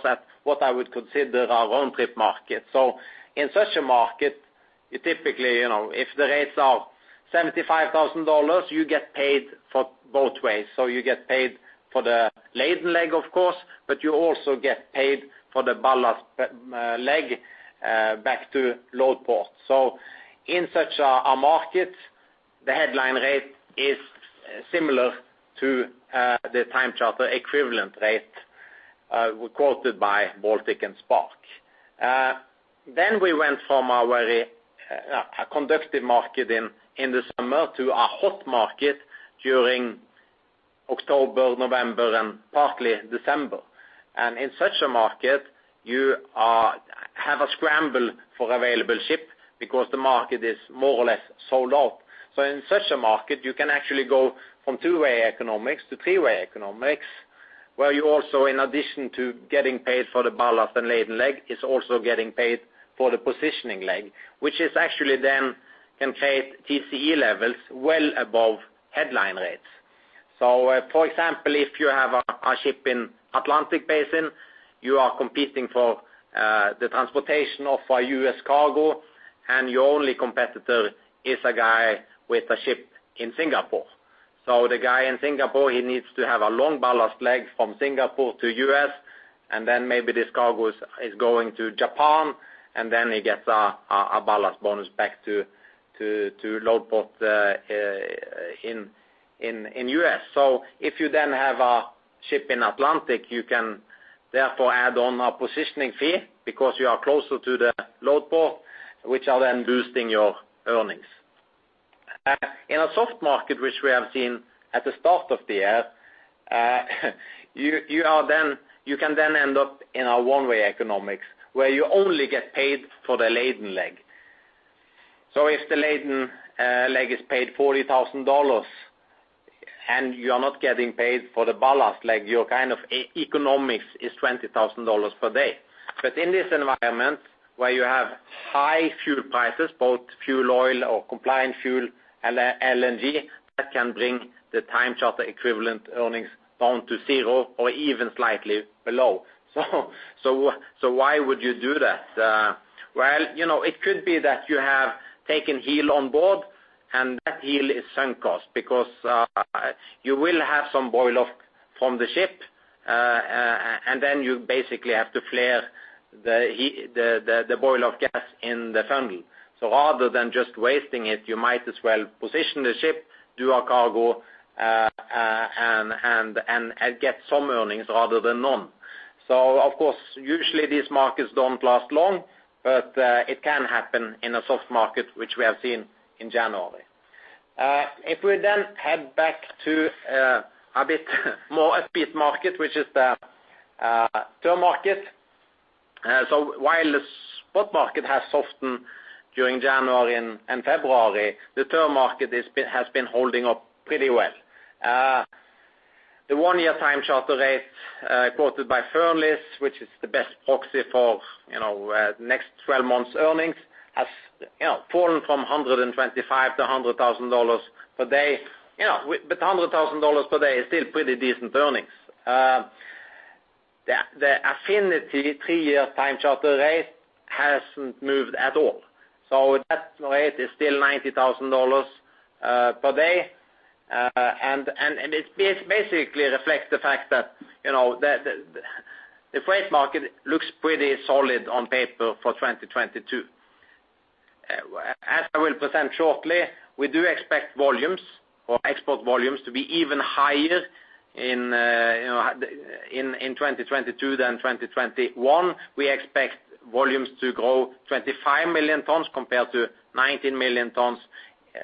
at what I would consider round trip market. In such a market, you typically, you know, if the rates are $75,000, you get paid for both ways. You get paid for the laden leg, of course, but you also get paid for the ballast leg back to load port. In such a market, the headline rate is similar to the time charter equivalent rate quoted by Baltic and Spark. We went from a very conducive market in the summer to a hot market during October, November, and partly December. In such a market, you have a scramble for available ship because the market is more or less sold out. In such a market, you can actually go from two-way economics to three-way economics, where you also, in addition to getting paid for the ballast and laden leg, is also getting paid for the positioning leg, which is actually then can create TCE levels well above headline rates. For example, if you have a ship in Atlantic Basin, you are competing for the transportation of U.S. cargo, and your only competitor is a guy with a ship in Singapore. The guy in Singapore needs to have a long ballast leg from Singapore to U.S., and then maybe this cargo is going to Japan, and then he gets a ballast bonus back to load port in U.S. If you then have a ship in Atlantic, you can therefore add on a positioning fee because you are closer to the load port, which are then boosting your earnings. In a soft market, which we have seen at the start of the year, you can then end up in a one-way economics, where you only get paid for the laden leg. If the laden leg is paid $40,000 and you are not getting paid for the ballast leg, your kind of economics is $20,000 per day. In this environment, where you have high fuel prices, both fuel oil or compliant fuel and LNG, that can bring the time charter equivalent earnings down to zero or even slightly below. Why would you do that? Well, you know, it could be that you have taken heel on board and that heel is sunk cost because you will have some boil off from the ship, and then you basically have to flare the boil off gas in the funnel. Rather than just wasting it, you might as well position the ship, do a cargo, and get some earnings rather than none. Of course, usually these markets don't last long, but it can happen in a soft market, which we have seen in January. If we then head back to a bit more tight market, which is the term market. While the spot market has softened during January and February, the term market has been holding up pretty well. The one-year time charter rates quoted by Fearnleys, which is the best proxy for, you know, next 12 months earnings, has, you know, fallen from $125,000-$100,000 per day. You know, $100,000 per day is still pretty decent earnings. The Fearnleys three-year time charter rate hasn't moved at all. That rate is still $90,000 per day. It basically reflects the fact that, you know, the freight market looks pretty solid on paper for 2022. As I will present shortly, we do expect volumes or export volumes to be even higher in, you know, 2022 than in 2021. We expect volumes to grow 25 million tons compared to 19 million tons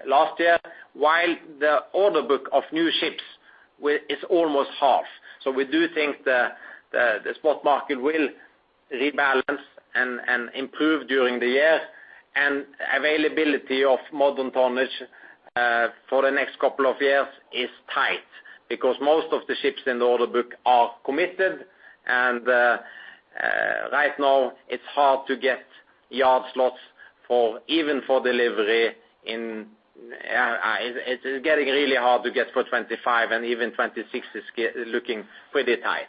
last year, while the order book of new ships is almost half. We do think the spot market will rebalance and improve during the year. Availability of modern tonnage for the next couple of years is tight because most of the ships in the order book are committed. Right now, it's hard to get yard slots, even for delivery in 2025, and it's getting really hard to get for 2026, which is looking pretty tight.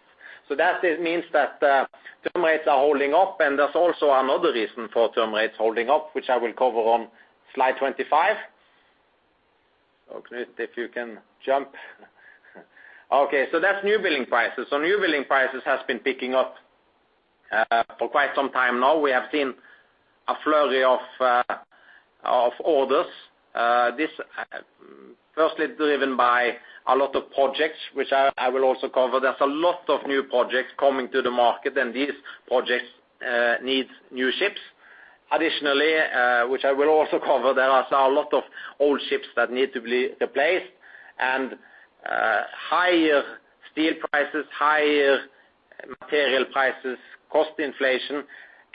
That just means that the term rates are holding up, and there's also another reason for term rates holding up, which I will cover on slide 25. Please, if you can jump. Okay, that's newbuilding prices. Newbuilding prices have been picking up for quite some time now. We have seen a flurry of orders. This firstly driven by a lot of projects, which I will also cover. There is a lot of new projects coming to the market, and these projects needs new ships. Additionally, which I will also cover, there are still a lot of old ships that need to be replaced, and higher steel prices, higher material prices, cost inflation,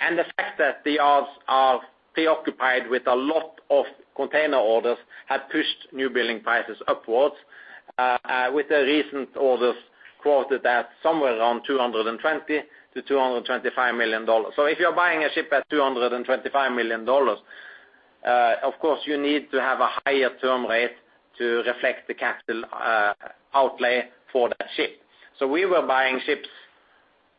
and the fact that the yards are preoccupied with a lot of container orders have pushed newbuilding prices upwards. With the recent orders quoted at somewhere around $220 million-$225 million. If you're buying a ship at $225 million, of course, you need to have a higher term rate to reflect the capital outlay for that ship. We were buying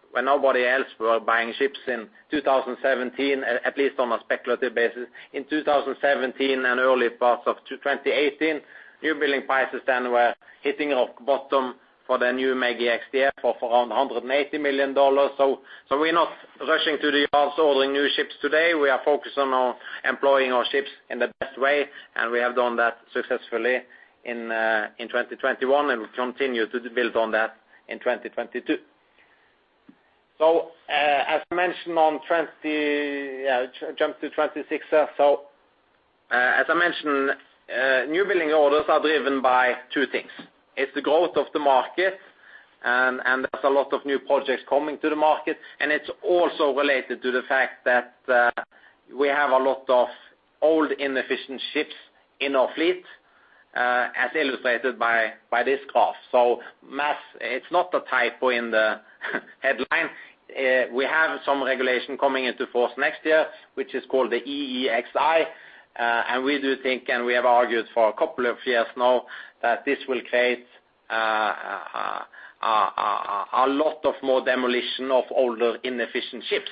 ships when nobody else were buying ships in 2017, at least on a speculative basis. In 2017 and early part of 2018, newbuilding prices then were hitting rock bottom for the new MEGI X-DF of around $180 million. We're not rushing to the yards ordering new ships today. We are focused on employing our ships in the best way, and we have done that successfully in 2021, and we'll continue to build on that in 2022. As mentioned on 20... Yeah, jump to 26, yeah. As I mentioned, newbuilding orders are driven by two things. It's the growth of the market and there's a lot of new projects coming to the market, and it's also related to the fact that we have a lot of old inefficient ships in our fleet, as illustrated by this graph. Math, it's not a typo in the headline. We have some regulation coming into force next year, which is called the EEXI. We do think, and we have argued for a couple of years now, that this will create a lot more demolition of older inefficient ships.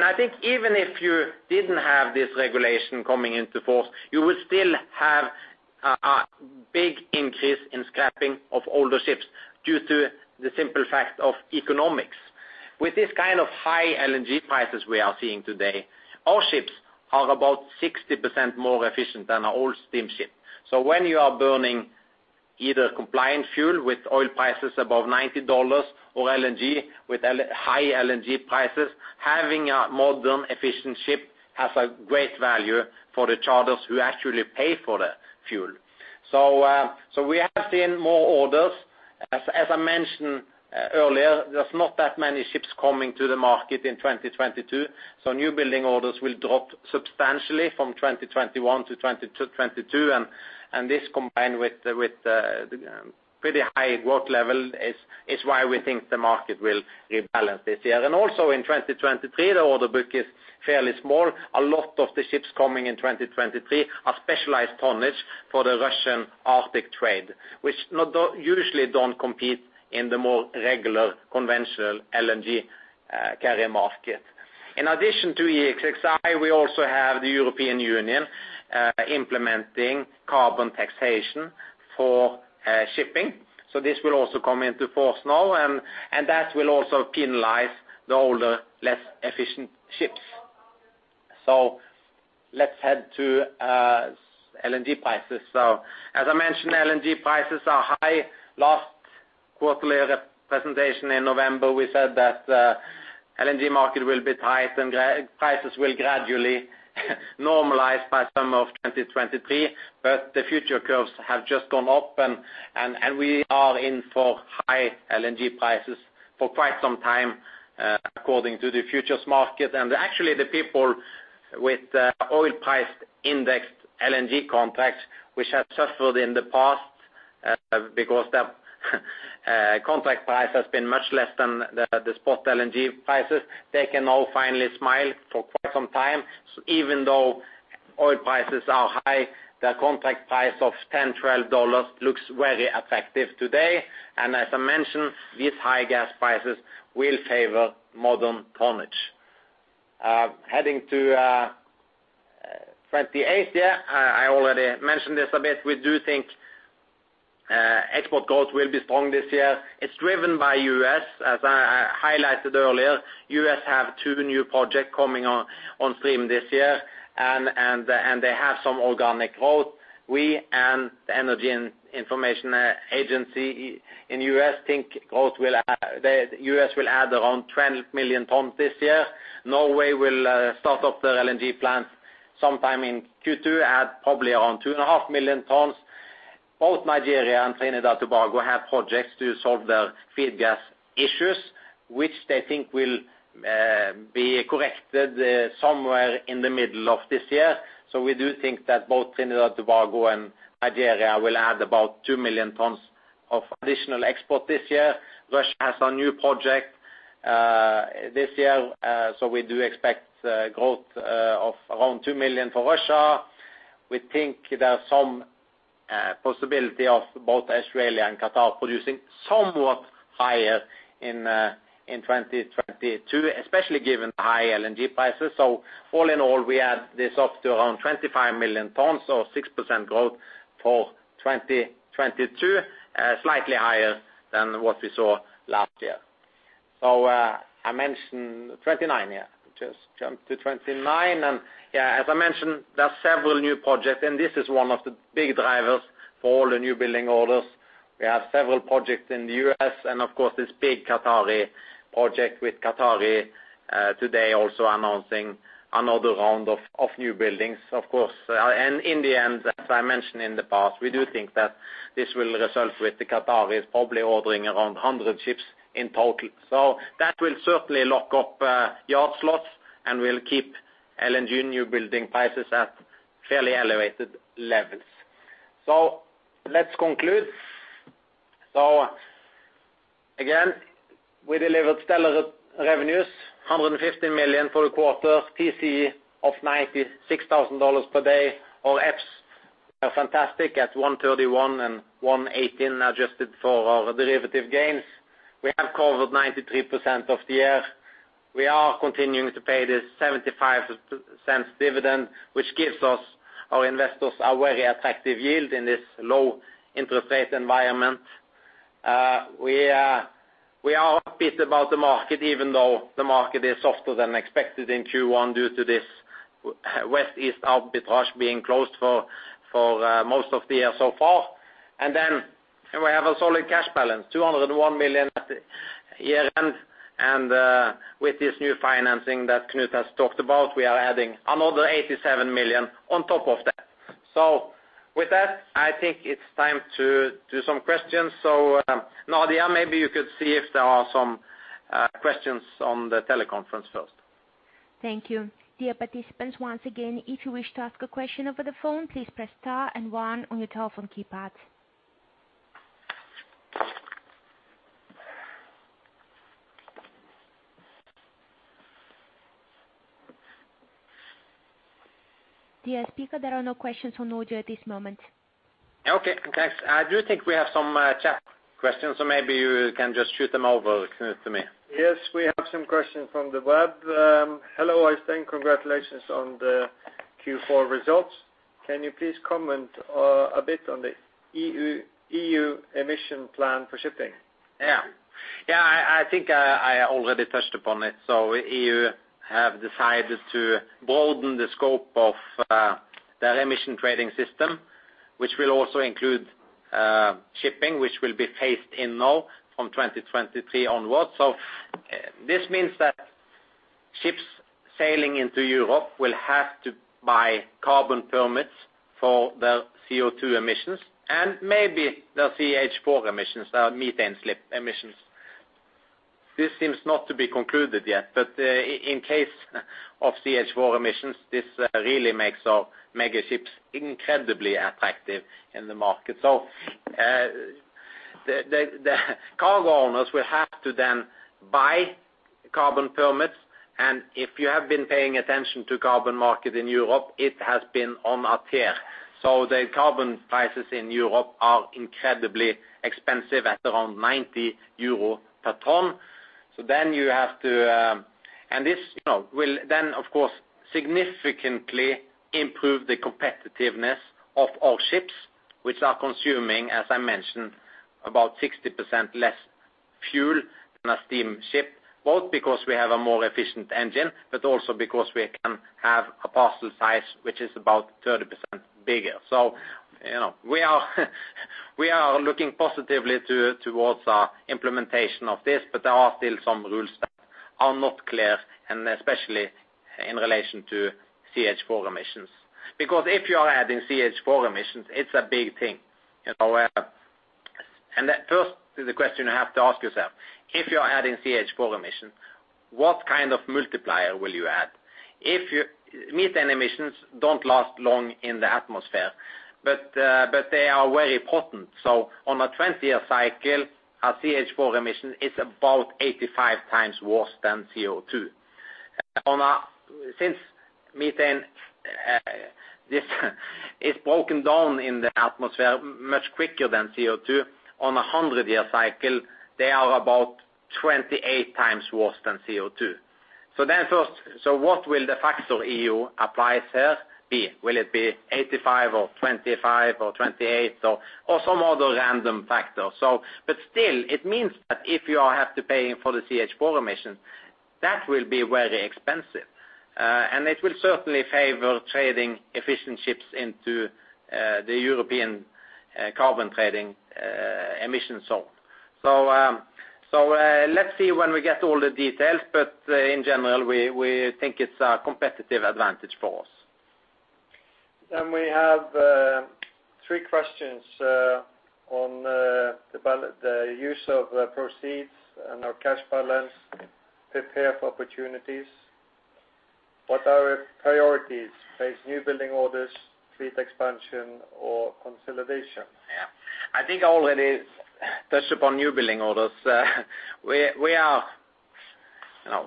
I think even if you didn't have this regulation coming into force, you would still have a big increase in scrapping of older ships due to the simple fact of economics. With this kind of high LNG prices we are seeing today, our ships are about 60% more efficient than an old steamship. When you are burning either compliant fuel with oil prices above $90 or LNG with high LNG prices, having a modern efficient ship has a great value for the charters who actually pay for the fuel. We have seen more orders. I mentioned earlier, there's not that many ships coming to the market in 2022, so newbuilding orders will drop substantially from 2021 to 2022 and this combined with the pretty high work level is why we think the market will rebalance this year. Also in 2023, the order book is fairly small. A lot of the ships coming in 2023 are specialized tonnage for the Russian Arctic trade, which usually don't compete in the more regular conventional LNG carrier market. In addition to EEXI, we also have the European Union implementing carbon taxation for shipping. This will also come into force now and that will also penalize the older, less efficient ships. Let's head to LNG prices. As I mentioned, LNG prices are high. Last quarterly presentation in November, we said that LNG market will be tight and prices will gradually normalize by summer of 2023, but the futures curves have just gone up and we are in for high LNG prices for quite some time according to the futures market. Actually the people with oil priced indexed LNG contracts, which have suffered in the past, because the contract price has been much less than the spot LNG prices, they can now finally smile for quite some time. Even though oil prices are high, the contract price of $10-$12 looks very attractive today. As I mentioned, these high gas prices will favor modern tonnage. Heading to 28. I already mentioned this a bit. We do think export growth will be strong this year. It's driven by U.S. As I highlighted earlier, U.S. has two new projects coming on stream this year and they have some organic growth. We and the Energy Information Administration in the U.S. think growth will add the U.S. will add around 20 million tons this year. Norway will start up their LNG plant sometime in Q2 at probably around 2.5 million tons. Both Nigeria and Trinidad Tobago have projects to solve their feed gas issues, which they think will be corrected somewhere in the middle of this year. We do think that both Trinidad Tobago and Nigeria will add about 2 million tons of additional export this year. Russia has a new project this year, so we do expect growth of around 2 million for Russia. We think there are some possibility of both Australia and Qatar producing somewhat higher in 2022, especially given the high LNG prices. All in all, we add this up to around 25 million tons or 6% growth for 2022, slightly higher than what we saw last year. I mentioned 29. Just jump to 29. As I mentioned, there are several new projects, and this is one of the big drivers for all the newbuilding orders. We have several projects in the U.S. and of course this big Qatari project with Qatari today also announcing another round of newbuildings. Of course, and in the end, as I mentioned in the past, we do think that this will result with the Qataris probably ordering around 100 ships in total. That will certainly lock up yard slots and will keep LNG newbuilding prices at fairly elevated levels. Let's conclude. Again, we delivered stellar revenues, 150 million for the quarter, TCE of $96,000 per day. Our EPS are fantastic at 1.31 and 1.18, adjusted for our derivative gains. We have covered 93% of the year. We are continuing to pay the 0.75 dividend, which gives our investors a very attractive yield in this low interest rate environment. We are upbeat about the market even though the market is softer than expected in Q1 due to this West-East arbitrage being closed for most of the year so far. We have a solid cash balance, 201 million at year-end. With this new financing that Knut has talked about, we are adding another 87 million on top of that. With that, I think it's time to do some questions. Nadia, maybe you could see if there are some questions on the teleconference first. Thank you. Dear participants, once again, if you wish to ask a question over the phone, please press star and one on your telephone keypad. Dear speaker, there are no questions on audio at this moment. Okay, thanks. I do think we have some chat questions, so maybe you can just shoot them over, Knut, to me. Yes, we have some questions from the web. Hello, Øystein. Congratulations on the Q4 results. Can you please comment a bit on the EU emission plan for shipping? Yeah. I think I already touched upon it. EU have decided to broaden the scope of their Emissions Trading System, which will also include shipping, which will be phased in now from 2023 onwards. This means that ships sailing into Europe will have to buy carbon permits for their CO2 emissions and maybe their CH4 emissions, methane slip emissions. This seems not to be concluded yet, but in case of CH4 emissions, this really makes our MEGI ships incredibly attractive in the market. The cargo owners will have to then buy carbon permits and if you have been paying attention to carbon market in Europe, it has been on a tear. The carbon prices in Europe are incredibly expensive at around 90 euro per ton. This, you know, will then, of course, significantly improve the competitiveness of our ships, which are consuming, as I mentioned, about 60% less fuel than a steamship, both because we have a more efficient engine, but also because we can have a parcel size which is about 30% bigger. You know, we are looking positively towards implementation of this, but there are still some rules that are not clear, and especially in relation to CH4 emissions. Because if you are adding CH4 emissions, it's a big thing. You know, the first is the question you have to ask yourself, if you are adding CH4 emissions, what kind of multiplier will you add? Methane emissions don't last long in the atmosphere, but they are very potent. On a 20-year cycle, a CH4 emission is about 85 times worse than CO2. Since methane, this is broken down in the atmosphere much quicker than CO2, on a 100-year cycle, they are about 28 times worse than CO2. What will the factor EU applies here be? Will it be 85 or 25 or 28 or some other random factor? Still, it means that if you all have to pay for the CH4 emission, that will be very expensive. It will certainly favor trading efficient ships into the European carbon trading emission zone. Let's see when we get all the details, but in general, we think it's a competitive advantage for us. We have three questions on the use of proceeds and our cash balance prepared for opportunities. What are our priorities? Finance newbuilding orders, fleet expansion, or consolidation? Yeah. I think I already touched upon newbuilding orders. We are, you know,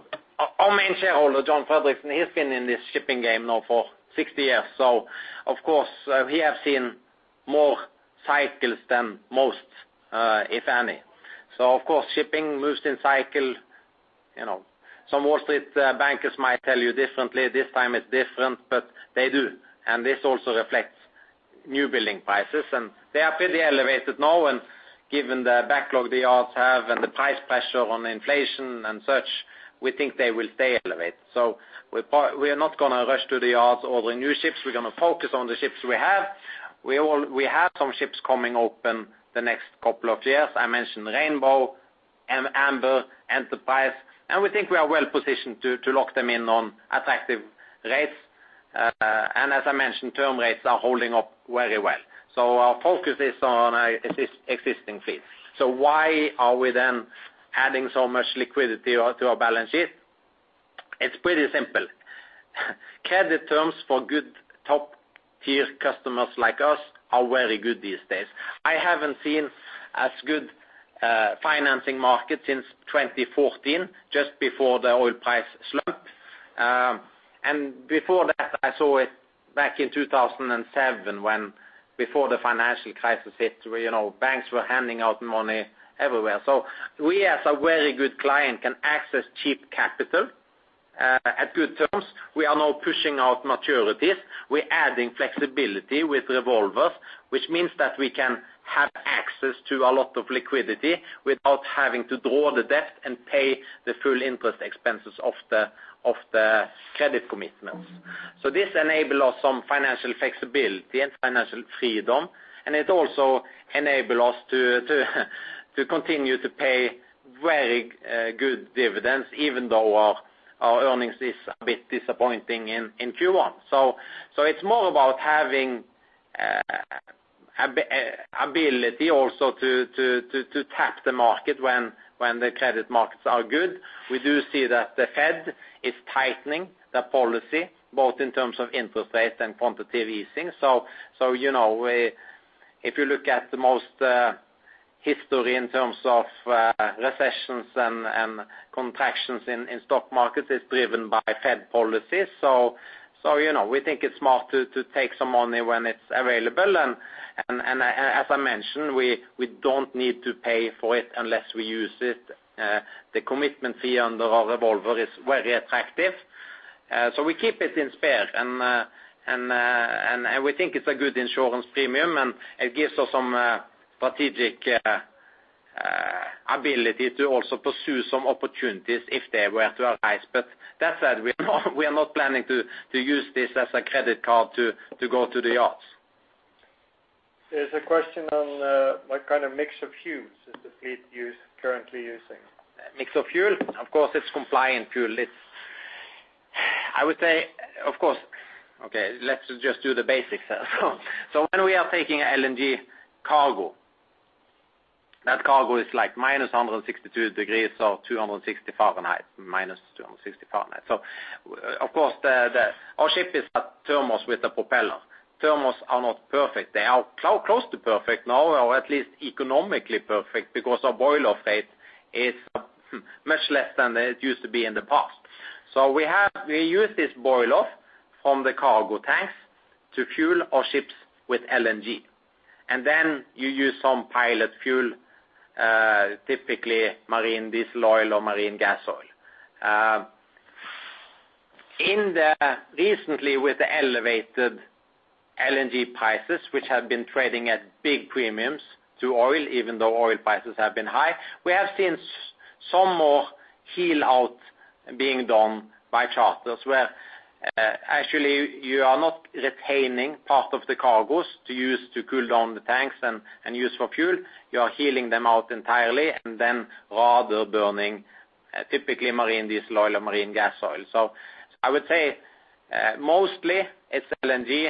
our main shareholder, John Fredriksen, he's been in this shipping game now for 60 years. Of course, he have seen more cycles than most, if any. Of course, shipping moves in cycles, you know. Some Wall Street bankers might tell you differently, this time it's different, but they do. This also reflects newbuilding prices, and they are pretty elevated now. Given the backlog the yards have and the price pressure on inflation and such, we think they will stay elevated. We are not gonna rush to the yards, ordering new ships. We're gonna focus on the ships we have. We have some ships coming open the next couple of years. I mentioned Rainbow and Amber, Enterprise, and we think we are well-positioned to lock them in on attractive rates. As I mentioned, term rates are holding up very well. Our focus is on existing fleet. Why are we then adding so much liquidity to our balance sheet? It's pretty simple. Credit terms for good top-tier customers like us are very good these days. I haven't seen as good financing market since 2014, just before the oil price slump. Before that, I saw it back in 2007 when before the financial crisis hit, where you know banks were handing out money everywhere. We, as a very good client, can access cheap capital at good terms. We are now pushing out maturities. We're adding flexibility with revolvers, which means that we can have access to a lot of liquidity without having to draw the debt and pay the full interest expenses of the credit commitments. This enable us some financial flexibility and financial freedom, and it also enable us to continue to pay very good dividends, even though our earnings is a bit disappointing in Q1. It's more about having ability also to tap the market when the credit markets are good. We do see that the Fed is tightening the policy, both in terms of interest rates and quantitative easing. If you look at the most history in terms of recessions and contractions in stock markets, it's driven by Fed policies. You know, we think it's smart to take some money when it's available. As I mentioned, we don't need to pay for it unless we use it. The commitment fee on the revolver is very attractive. We keep it in spare and we think it's a good insurance premium, and it gives us some strategic ability to also pursue some opportunities if they were to arise. That said, we are not planning to use this as a credit card to go to the yards. There's a question on what kind of mix of fuels is the fleet currently using? Mix of fuel? Of course, it's compliant fuel. It's, I would say, of course. Okay, let's just do the basics here. When we are taking an LNG cargo, that cargo is, like, minus 162 degrees, so 260 Fahrenheit, minus 260 Fahrenheit. Of course, our ship is a thermos with a propeller. Thermos are not perfect. They are close to perfect now or at least economically perfect because our boil-off rate is much less than it used to be in the past. We use this boil-off from the cargo tanks to fuel our ships with LNG. Then you use some pilot fuel, typically marine diesel oil or marine gas oil. Recently, with the elevated LNG prices, which have been trading at big premiums to oil, even though oil prices have been high, we have seen some more heel out being done by charters, where actually you are not retaining part of the cargoes to use to cool down the tanks and use for fuel. You are heeling them out entirely and then rather burning typically marine diesel oil or marine gas oil. I would say mostly it's LNG.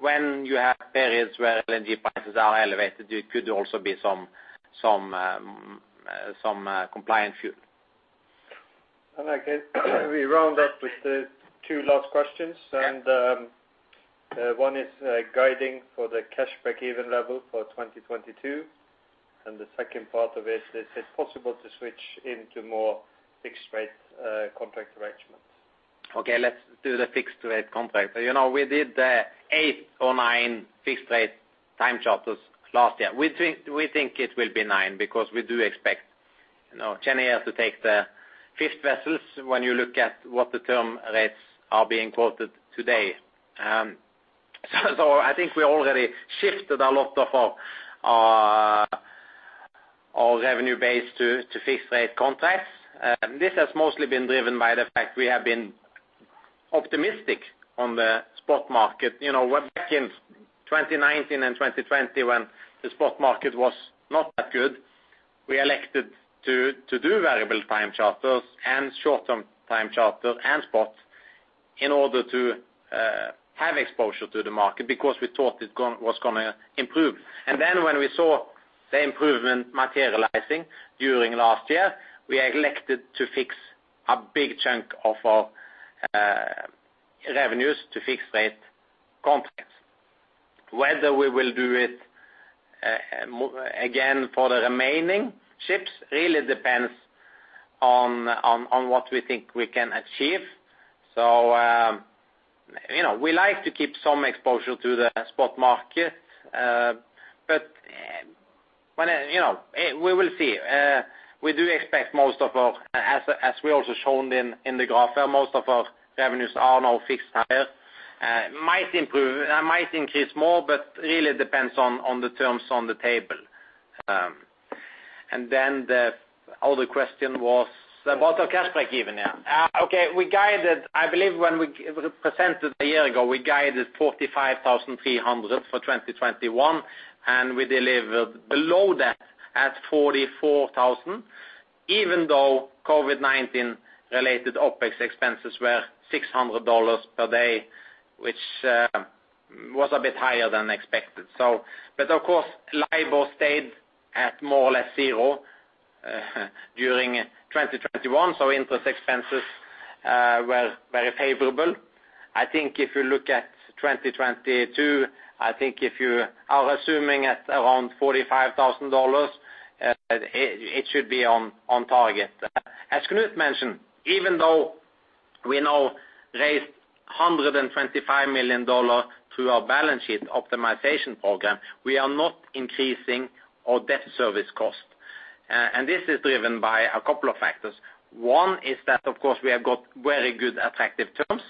When you have periods where LNG prices are elevated, it could also be some compliant fuel. All right. Can we round up with the two last questions? Yeah. One is guiding for the cash breakeven level for 2022, and the second part of it is it possible to switch into more fixed rate contract arrangements? Okay, let's do the fixed rate contract. You know, we did eight or nine fixed rate time charters last year. We think it will be nine because we do expect, you know, Cheniere to take the fifth vessels when you look at what the term rates are being quoted today. I think we already shifted a lot of our revenue base to fixed rate contracts. This has mostly been driven by the fact we have been optimistic on the spot market. You know, back in 2019 and 2020 when the spot market was not that good, we elected to do variable time charters and short-term time charters and spots in order to have exposure to the market because we thought it was gonna improve. When we saw the improvement materializing during last year, we elected to fix a big chunk of our revenues to fixed rate contracts. Whether we will do it again for the remaining ships really depends on what we think we can achieve. You know, we like to keep some exposure to the spot market. But then, you know, we will see. We do expect most of our, as we also shown in the graph there, most of our revenues are now fixed higher. Might increase more, but really depends on the terms on the table. The other question was about our cash break-even, yeah. Okay. We guided, I believe when we presented a year ago, we guided 45,300 for 2021, and we delivered below that at 44,000, even though COVID-19 related OpEx expenses were $600 per day, which was a bit higher than expected. But of course, LIBOR stayed at more or less zero during 2021, so interest expenses were very favorable. I think if you look at 2022, I think if you are assuming at around $45,000, it should be on target. As Knut mentioned, even though we now raised $125 million through our balance sheet optimization program, we are not increasing our debt service cost. This is driven by a couple of factors. One is that, of course, we have got very good, attractive terms.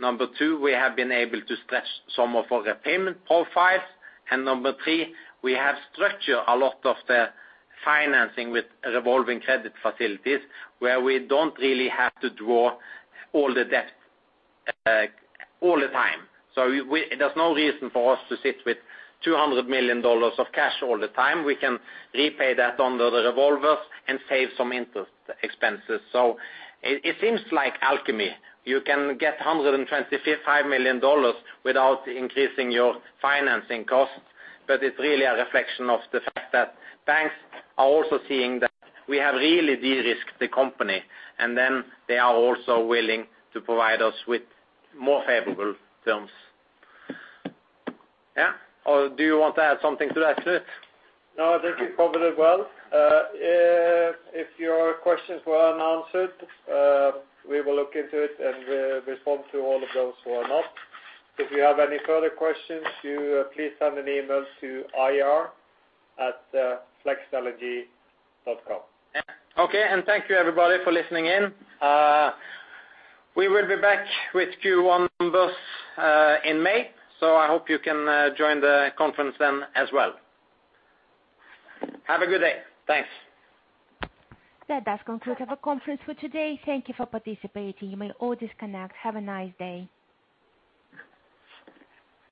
Number two, we have been able to stretch some of our repayment profiles. Number three, we have structured a lot of the financing with revolving credit facilities, where we don't really have to draw all the debt all the time. There's no reason for us to sit with $200 million of cash all the time. We can repay that under the revolvers and save some interest expenses. It seems like alchemy. You can get $125 million without increasing your financing costs, but it's really a reflection of the fact that banks are also seeing that we have really de-risked the company, and then they are also willing to provide us with more favorable terms. Yeah. Or do you want to add something to that, Knut? No, I think you covered it well. If your questions were unanswered, we will look into it and respond to all of those who are not. If you have any further questions, you please send an email to ir@flexlng.com. Okay, thank you everybody for listening in. We will be back with Q1 numbers in May. I hope you can join the conference then as well. Have a good day. Thanks. That does conclude our conference for today. Thank you for participating. You may all disconnect. Have a nice day.